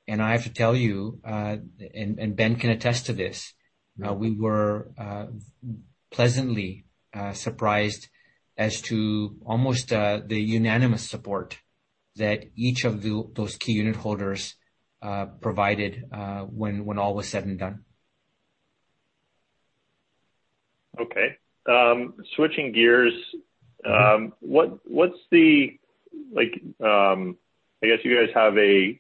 I have to tell you, and Ben can attest to this, we were pleasantly surprised as to almost the unanimous support that each of those key unitholders provided when all was said and done. Okay. Switching gears. I guess you guys have a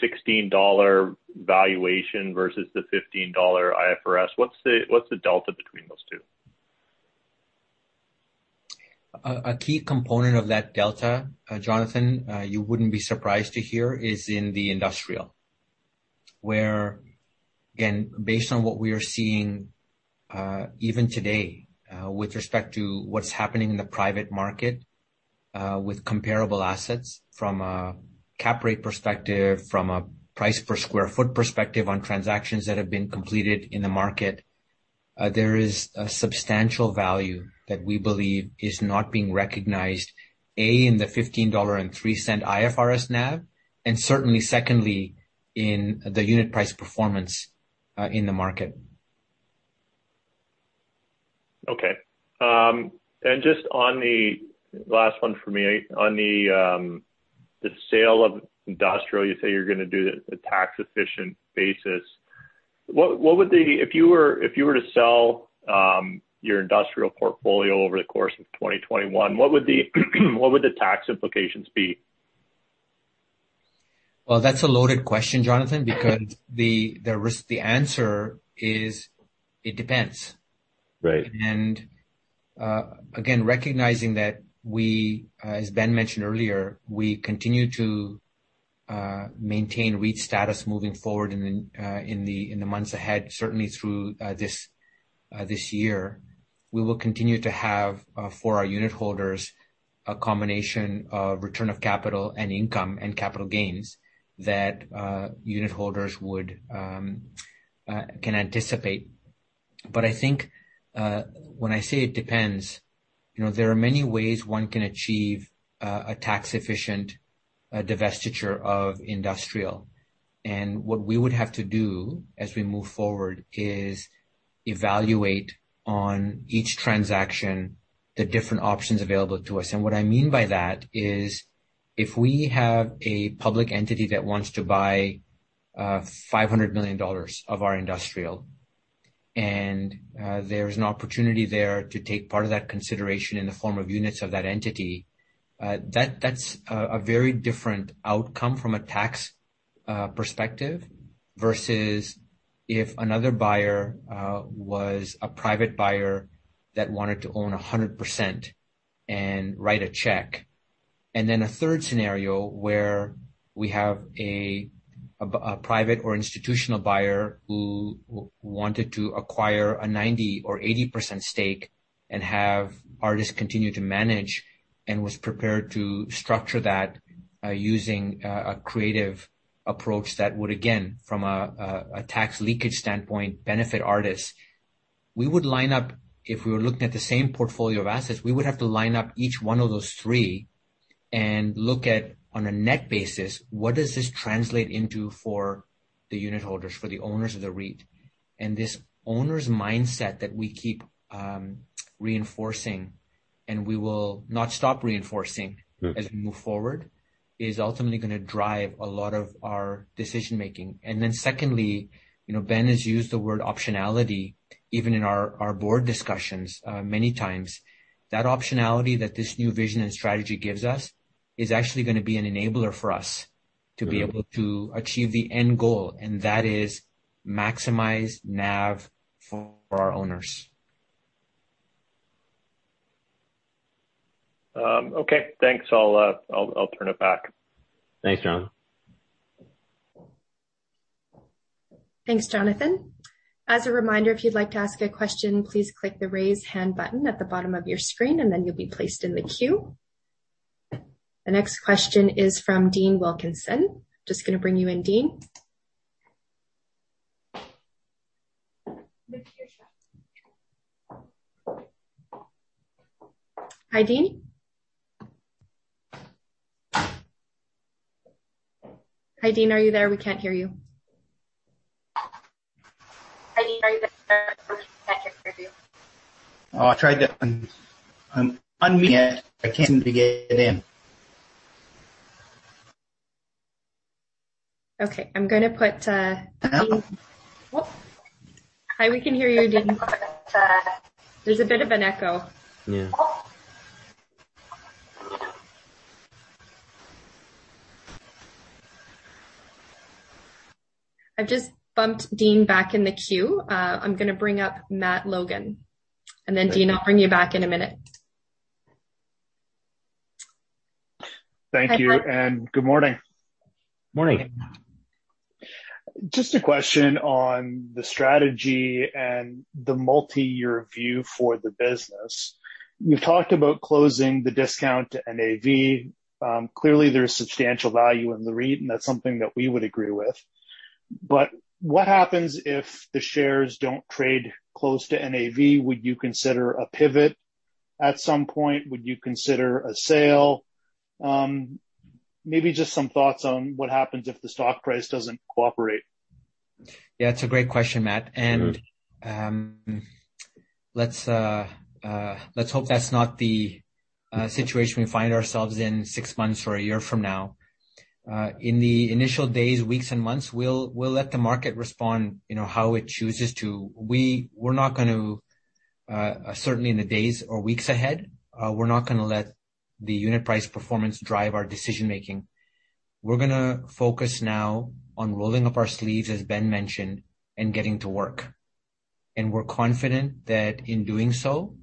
16 dollar valuation versus the 15 dollar IFRS. What's the delta between those two? A key component of that delta, Jonathan, you wouldn't be surprised to hear, is in the industrial. Where, again, based on what we are seeing even today with respect to what's happening in the private market with comparable assets from a cap rate perspective, from a price per sq ft perspective on transactions that have been completed in the market, there is a substantial value that we believe is not being recognized. A, in the 15.03 dollar IFRS NAV, and certainly secondly, in the unit price performance in the market. Okay. Just on the last one for me, on the sale of industrial, you say you're going to do a tax-efficient basis. If you were to sell your industrial portfolio over the course of 2021, what would the tax implications be? Well, that's a loaded question, Jonathan, because the answer is it depends. Right. Again, recognizing that we, as Ben mentioned earlier, we continue to maintain REIT status moving forward in the months ahead, certainly through this year. We will continue to have for our unitholders a combination of return of capital and income and capital gains that unitholders can anticipate. I think when I say it depends, there are many ways one can achieve a tax-efficient divestiture of industrial. What we would have to do as we move forward is evaluate on each transaction the different options available to us. What I mean by that is if we have a public entity that wants to buy 500 million dollars of our industrial, and there's an opportunity there to take part of that consideration in the form of units of that entity, that's a very different outcome from a tax perspective versus if another buyer was a private buyer that wanted to own 100% and write a check. Then a third scenario where we have a private or institutional buyer who wanted to acquire a 90% or 80% stake and have Artis continue to manage and was prepared to structure that using a creative approach that would, again, from a tax leakage standpoint, benefit Artis. If we were looking at the same portfolio of assets, we would have to line up each one of those three and look at, on a net basis, what does this translate into for the unitholders, for the owners of the REIT? This owner's mindset that we keep reinforcing, and we will not stop reinforcing as we move forward, is ultimately going to drive a lot of our decision-making. Secondly, Ben has used the word optionality even in our board discussions many times. That optionality that this new vision and strategy gives us is actually going to be an enabler for us to be able to achieve the end goal, and that is maximize NAV for our owners. Okay, thanks. I'll turn it back. Thanks, Jonathan. Thanks, Jonathan. As a reminder, if you'd like to ask a question, please click the raise hand button at the bottom of your screen, and then you'll be placed in the queue. The next question is from Dean Wilkinson. Just going to bring you in, Dean. Hi, Dean? Hi, Dean, are you there? We can't hear you. Hi, Dean, are you there? We can't hear you. Oh, I tried to unmute. I'm unmuted. I can't seem to get in. Okay, I'm going to put. Hello? Hi, we can hear you, Dean. There's a bit of an echo. Yeah. I've just bumped Dean back in the queue. I'm going to bring up Matt Logan. Then Dean, I'll bring you back in a minute. Thank you, and good morning. Morning. Just a question on the strategy and the multi-year view for the business. You've talked about closing the discount to NAV. Clearly, there's substantial value in the REIT, and that's something that we would agree with. What happens if the shares don't trade close to NAV? Would you consider a pivot at some point? Would you consider a sale? Maybe just some thoughts on what happens if the stock price doesn't cooperate. Yeah, it's a great question, Matt. Good. Let's hope that's not the situation we find ourselves in six months or a year from now. In the initial days, weeks, and months, we'll let the market respond how it chooses to. Certainly in the days or weeks ahead, we're not going to let the unit price performance drive our decision-making. We're going to focus now on rolling up our sleeves, as Ben mentioned, and getting to work. We're confident that in doing so,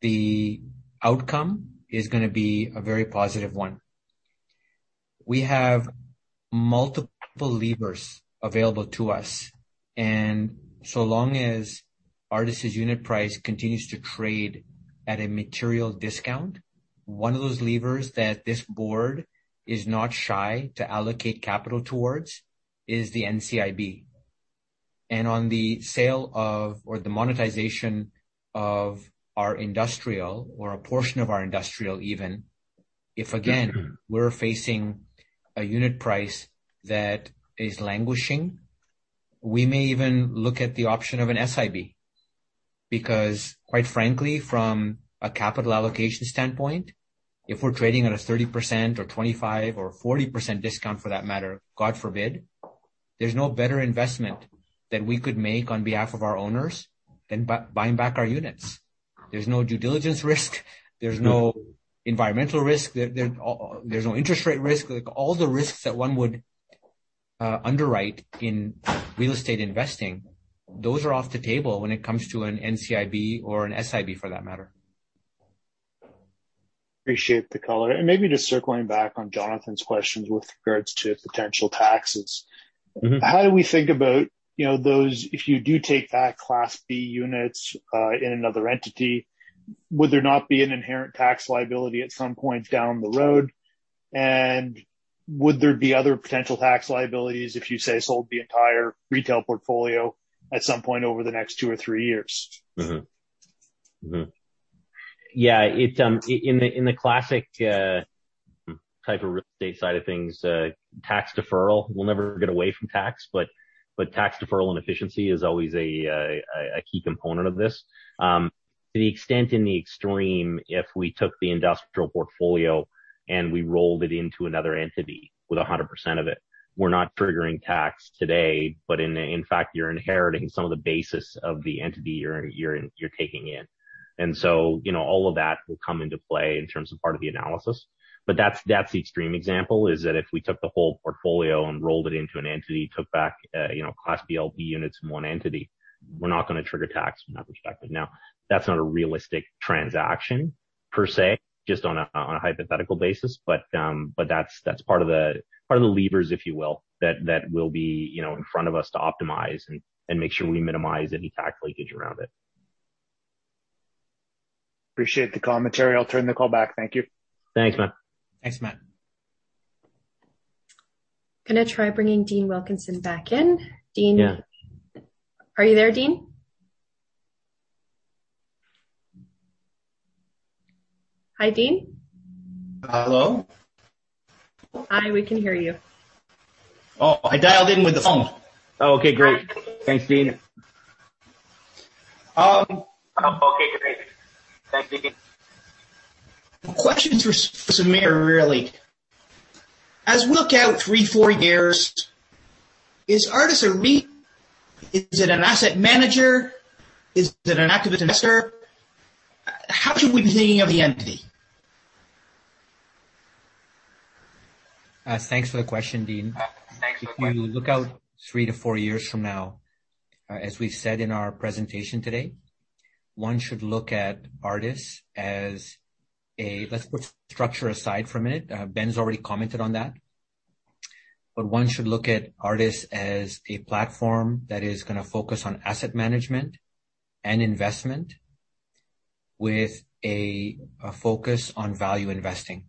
the outcome is going to be a very positive one. We have multiple levers available to us, and so long as Artis' unit price continues to trade at a material discount, one of those levers that this board is not shy to allocate capital towards is the NCIB. On the sale of or the monetization of our industrial or a portion of our industrial even, if again, we're facing a unit price that is languishing, we may even look at the option of an SIB. Quite frankly, from a capital allocation standpoint, if we're trading at a 30% or 25 or 40% discount for that matter, God forbid, there's no better investment that we could make on behalf of our owners than buying back our units. There's no due diligence risk. There's no environmental risk. There's no interest rate risk. All the risks that one would underwrite in real estate investing, those are off the table when it comes to an NCIB or an SIB, for that matter. Appreciate the color. Maybe just circling back on Jonathan's questions with regards to potential taxes. How do we think about those, if you do take that Class B units in another entity, would there not be an inherent tax liability at some point down the road? Would there be other potential tax liabilities if you, say, sold the entire retail portfolio at some point over the next two or three years? Yeah. In the classic type of real estate side of things, tax deferral, we'll never get away from tax, but tax deferral and efficiency is always a key component of this. To the extent in the extreme, if we took the industrial portfolio and we rolled it into another entity with 100% of it, we're not triggering tax today, but in fact, you're inheriting some of the basis of the entity you're taking in. All of that will come into play in terms of part of the analysis. That's the extreme example, is that if we took the whole portfolio and rolled it into an entity, took back Class B LP units in one entity, we're not going to trigger tax from that perspective. Now, that's not a realistic transaction per se, just on a hypothetical basis, but that's part of the levers, if you will, that will be in front of us to optimize and make sure we minimize any tax leakage around it. Appreciate the commentary. I'll turn the call back. Thank you. Thanks, Matt. Thanks, Matt. I'm going to try bringing Dean Wilkinson back in. Yeah. Dean, are you there, Dean? Hi, Dean. Hello? Hi, we can hear you. Oh, I dialed in with the phone. Oh, okay, great. Thanks, Dean. The question is for Samir, really. As we look out three, four years, is Artis a REIT? Is it an asset manager? Is it an activist investor? How should we be thinking of the entity? Thanks for the question, Dean. If you look out three to four years from now, as we've said in our presentation today, one should look at Artis. Let's put structure aside for a minute. Ben's already commented on that. One should look at Artis as a platform that is going to focus on asset management and investment with a focus on value investing.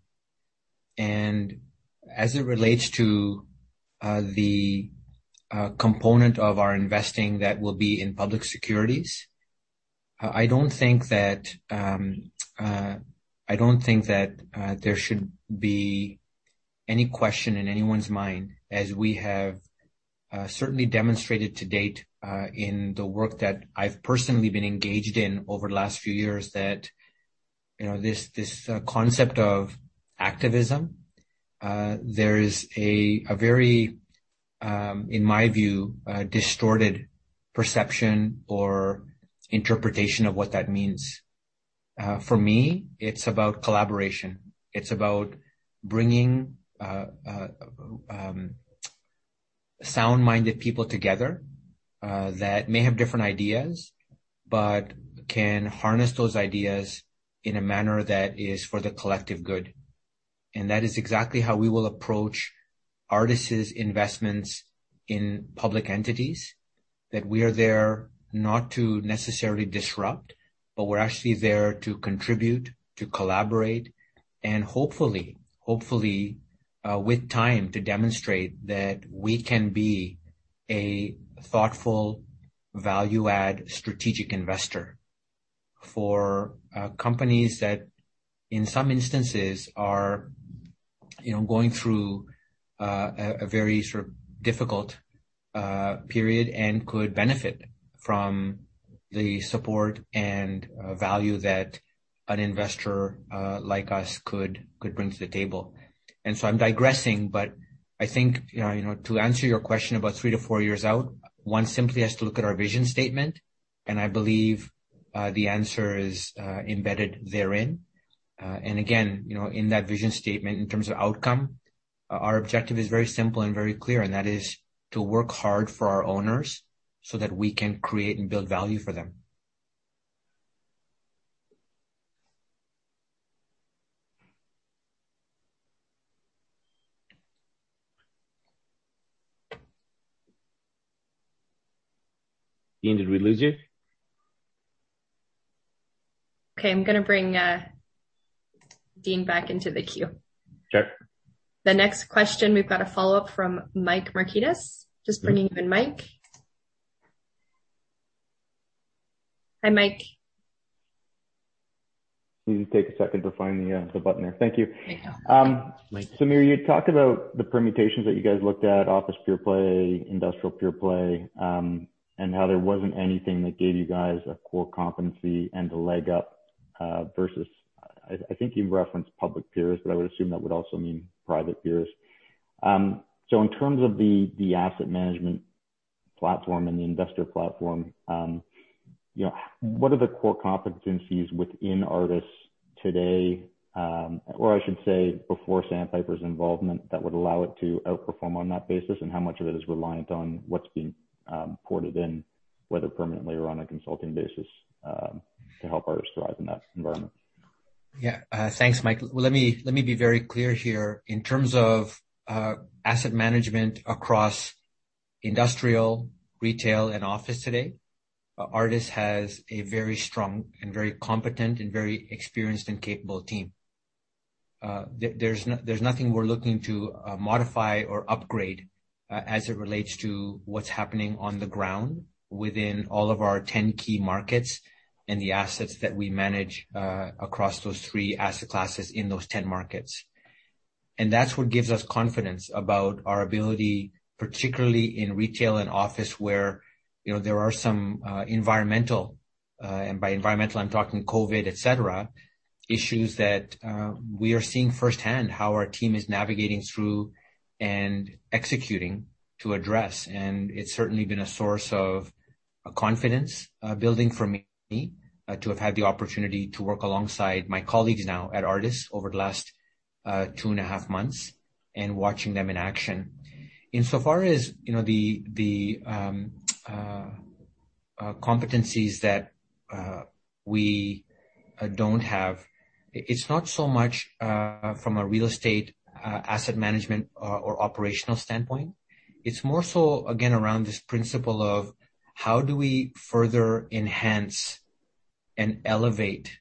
As it relates to the component of our investing that will be in public securities, I don't think that there should be any question in anyone's mind, as we have certainly demonstrated to date in the work that I've personally been engaged in over the last few years, that this concept of activism, there is a very, in my view, distorted perception or interpretation of what that means. For me, it's about collaboration. It's about bringing sound-minded people together that may have different ideas but can harness those ideas in a manner that is for the collective good. That is exactly how we will approach Artis' investments in public entities. That we are there not to necessarily disrupt, but we're actually there to contribute, to collaborate, and hopefully with time to demonstrate that we can be a thoughtful value add strategic investor for companies that in some instances are going through a very difficult period and could benefit from the support and value that an investor like us could bring to the table. I'm digressing, but I think to answer your question about three to four years out, one simply has to look at our vision statement, and I believe the answer is embedded therein. Again, in that vision statement in terms of outcome, our objective is very simple and very clear, that is to work hard for our owners so that we can create and build value for them. Dean, did we lose you? Okay, I'm going to bring Dean back into the queue. Sure. The next question, we've got a follow-up from Mike Markidis. Just bringing you in, Mike. Hi, Mike. Please take a second to find the button there. Thank you. There you go. Mike. Samir, you had talked about the permutations that you guys looked at, office pure-play, industrial pure-play, and how there wasn't anything that gave you guys a core competency and a leg up versus, I think you referenced public peers, but I would assume that would also mean private peers. In terms of the asset management platform and the investor platform, what are the core competencies within Artis today, or I should say before Sandpiper's involvement, that would allow it to outperform on that basis and how much of it is reliant on what's being ported in, whether permanently or on a consulting basis, to help Artis thrive in that environment? Yeah. Thanks, Mike. Well, let me be very clear here. In terms of asset management across industrial, retail, and office today, Artis has a very strong and very competent and very experienced and capable team. There's nothing we're looking to modify or upgrade as it relates to what's happening on the ground within all of our 10 key markets and the assets that we manage across those three asset classes in those 10 markets. That's what gives us confidence about our ability, particularly in retail and office, where there are some environmental, and by environmental, I'm talking COVID, et cetera, issues that we are seeing firsthand how our team is navigating through and executing to address. It's certainly been a source of confidence building for me to have had the opportunity to work alongside my colleagues now at Artis over the last two and a half months and watching them in action. Insofar as the competencies that we don't have, it's not so much from a real estate asset management or operational standpoint. It's more so again around this principle of how do we further enhance and elevate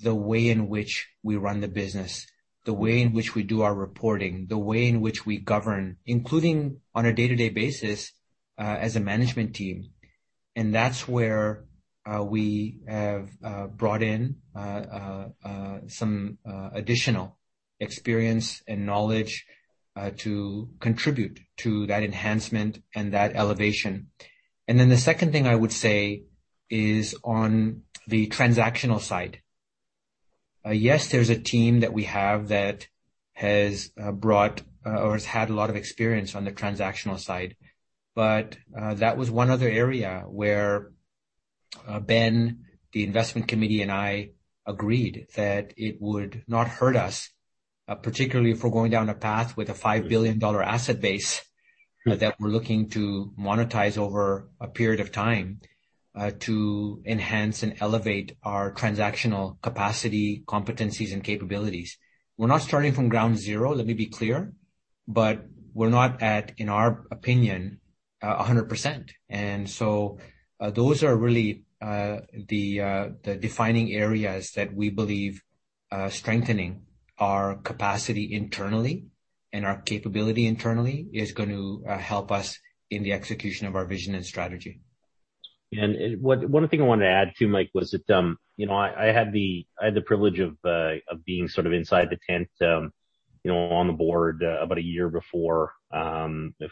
the way in which we run the business, the way in which we do our reporting, the way in which we govern, including on a day-to-day basis as a management team. That's where we have brought in some additional experience and knowledge to contribute to that enhancement and that elevation. The second thing I would say is on the transactional side. Yes, there's a team that we have that has brought or has had a lot of experience on the transactional side. That was one other area where Ben, the investment committee, and I agreed that it would not hurt us, particularly if we're going down a path with a 5 billion dollar asset base that we're looking to monetize over a period of time to enhance and elevate our transactional capacity, competencies, and capabilities. We're not starting from ground zero, let me be clear, but we're not at, in our opinion, 100%. Those are really the defining areas that we believe strengthening our capacity internally and our capability internally is going to help us in the execution of our vision and strategy. One thing I wanted to add too, Mike, was that I had the privilege of being sort of inside the tent on the board about a year before the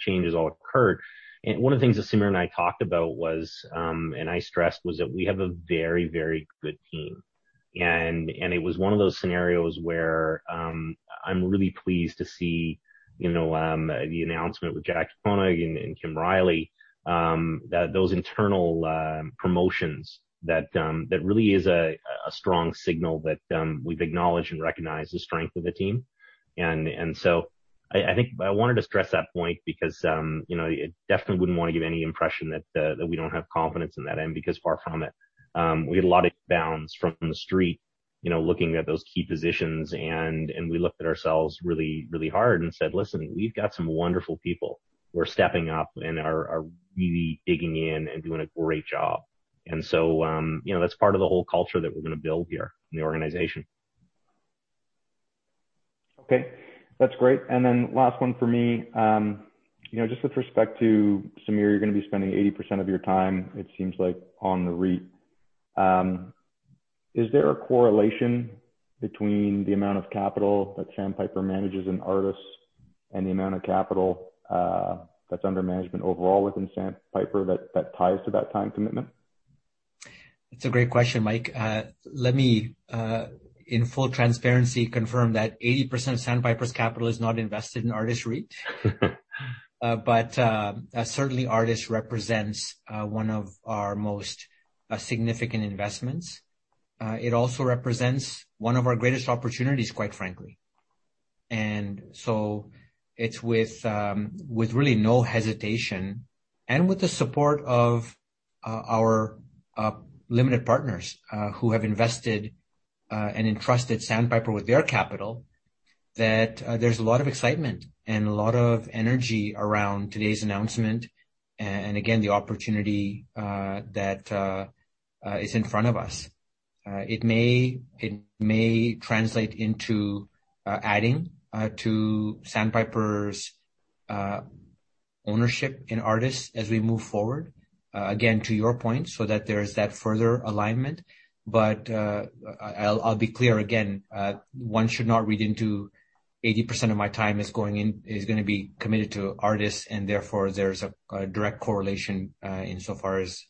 changes all occurred. One of the things that Samir and I talked about was, and I stressed, was that we have a very good team. It was one of those scenarios where I'm really pleased to see the announcement with Jaclyn Koenig and Kim Riley that those internal promotions that really is a strong signal that we've acknowledged and recognized the strength of the team. I think I wanted to stress that point because I definitely wouldn't want to give any impression that we don't have confidence in that end, because far from it. We get a lot of bounce from the street looking at those key positions, and we looked at ourselves really hard and said, listen, we've got some wonderful people who are stepping up and are really digging in and doing a great job. That's part of the whole culture that we're going to build here in the organization. Okay. That's great. Last one for me. Just with respect to Samir, you're going to be spending 80% of your time, it seems like, on the REIT. Is there a correlation between the amount of capital that Sandpiper manages in Artis and the amount of capital that's under management overall within Sandpiper that ties to that time commitment? That's a great question, Mike. Let me, in full transparency, confirm that 80% of Sandpiper's capital is not invested in Artis REIT. Certainly Artis represents one of our most significant investments. It also represents one of our greatest opportunities, quite frankly. It's with really no hesitation and with the support of our limited partners who have invested and entrusted Sandpiper with their capital, that there's a lot of excitement and a lot of energy around today's announcement, and again, the opportunity that is in front of us. It may translate into adding to Sandpiper's ownership in Artis as we move forward, again, to your point, so that there is that further alignment. I'll be clear again, one should not read into 80% of my time is going to be committed to Artis, and therefore there's a direct correlation insofar as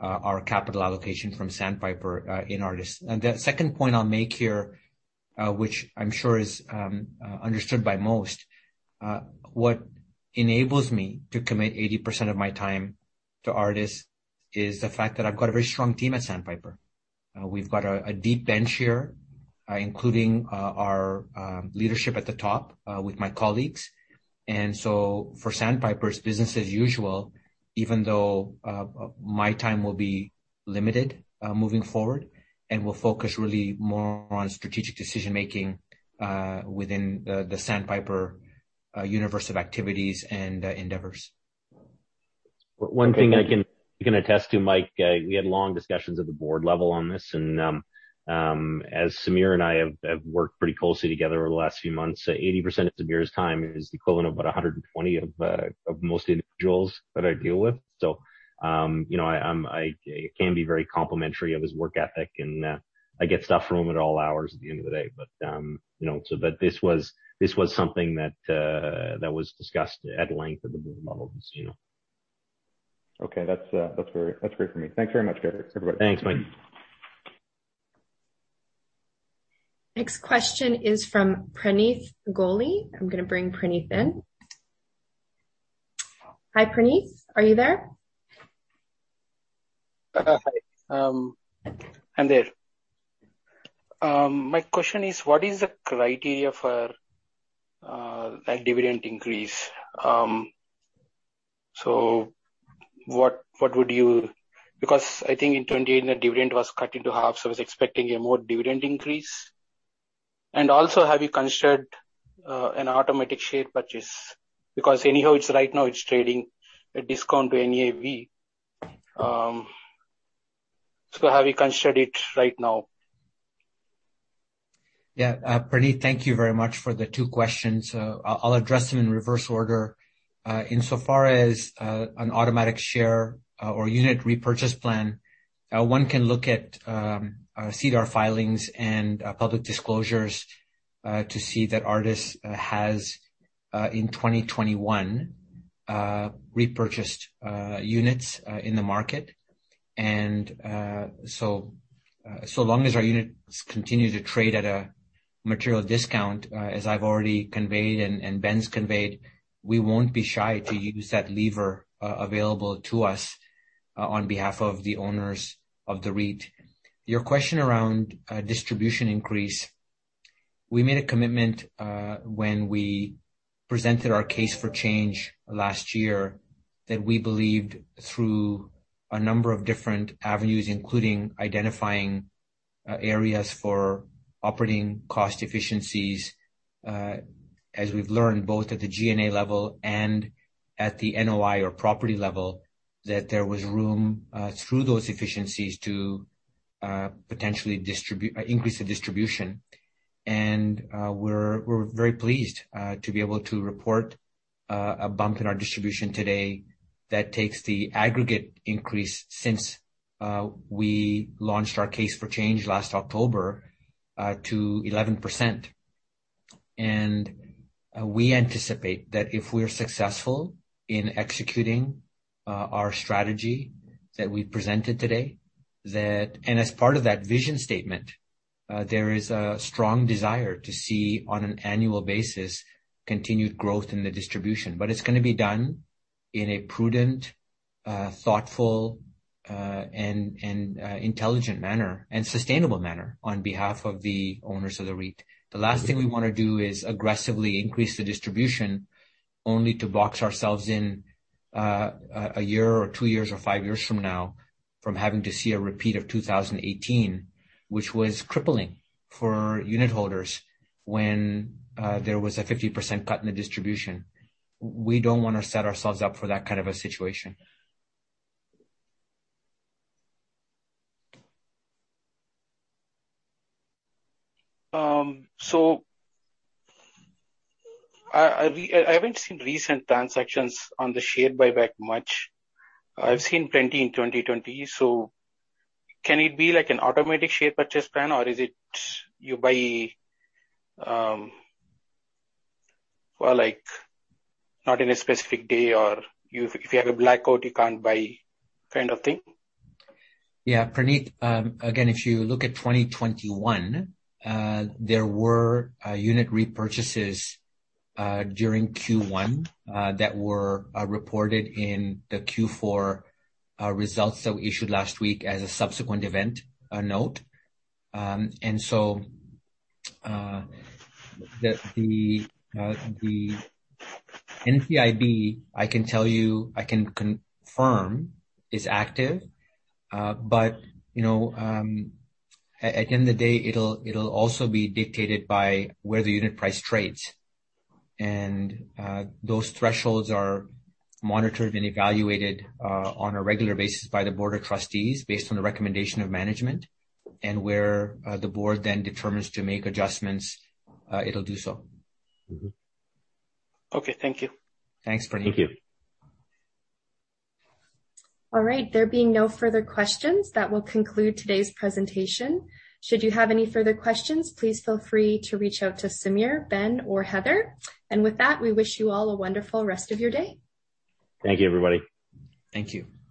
our capital allocation from Sandpiper in Artis. The second point I'll make here, which I'm sure is understood by most, what enables me to commit 80% of my time to Artis is the fact that I've got a very strong team at Sandpiper. We've got a deep bench here, including our leadership at the top with my colleagues. For Sandpiper, it's business as usual, even though my time will be limited moving forward and will focus really more on strategic decision-making within the Sandpiper universe of activities and endeavors. One thing I can attest to, Mike, we had long discussions at the board level on this, and as Samir and I have worked pretty closely together over the last few months, 80% of Samir's time is the equivalent of about 120 of most individuals that I deal with. I can be very complimentary of his work ethic, and I get stuff from him at all hours at the end of the day. This was something that was discussed at length at the board level. That's great for me. Thanks very much, guys. Thanks, Mike. Next question is from Praneeth Goli. I'm going to bring Praneeth in. Hi, Praneeth. Are you there? Hi. I'm there. My question is, what is the criteria for that dividend increase? I think in 2018, the dividend was cut into half. I was expecting a more dividend increase. Also, have you considered an automatic share purchase? Anyhow, right now it's trading at discount to NAV. Have you considered it right now? Praneeth, thank you very much for the two questions. I'll address them in reverse order. Insofar as an automatic share or unit repurchase plan, one can look at our SEDAR filings and public disclosures to see that Artis has, in 2021, repurchased units in the market. So long as our units continue to trade at a material discount, as I've already conveyed and Ben's conveyed, we won't be shy to use that lever available to us on behalf of the owners of the REIT. Your question around distribution increase. We made a commitment when we presented our Case for Change last year, that we believed through a number of different avenues, including identifying areas for operating cost efficiencies, as we've learned both at the G&A level and at the NOI or property level, that there was room through those efficiencies to potentially increase the distribution. We're very pleased to be able to report a bump in our distribution today that takes the aggregate increase since we launched our Case for Change last October to 11%. We anticipate that if we're successful in executing our strategy that we presented today, and as part of that vision statement, there is a strong desire to see on an annual basis, continued growth in the distribution. It's going to be done in a prudent, thoughtful, and intelligent manner, and sustainable manner on behalf of the owners of the REIT. The last thing we want to do is aggressively increase the distribution only to box ourselves in one year or two years or five years from now from having to see a repeat of 2018, which was crippling for unit holders when there was a 50% cut in the distribution. We don't want to set ourselves up for that kind of a situation. I haven't seen recent transactions on the share buyback much. I've seen plenty in 2020. Can it be like an automatic share purchase plan or is it you buy, well, not in a specific day or if you have a blackout, you can't buy kind of thing? Praneeth, again, if you look at 2021, there were unit repurchases during Q1 that were reported in the Q4 results that we issued last week as a subsequent event, a note. The NCIB, I can tell you, I can confirm is active. At the end of the day, it'll also be dictated by where the unit price trades. Those thresholds are monitored and evaluated on a regular basis by the board of trustees based on the recommendation of management. Where the board then determines to make adjustments, it'll do so. Mm-hmm. Okay. Thank you. Thanks, Praneeth. Thank you. All right. There being no further questions, that will conclude today's presentation. Should you have any further questions, please feel free to reach out to Samir, Ben, or Heather. With that, we wish you all a wonderful rest of your day. Thank you, everybody. Thank you.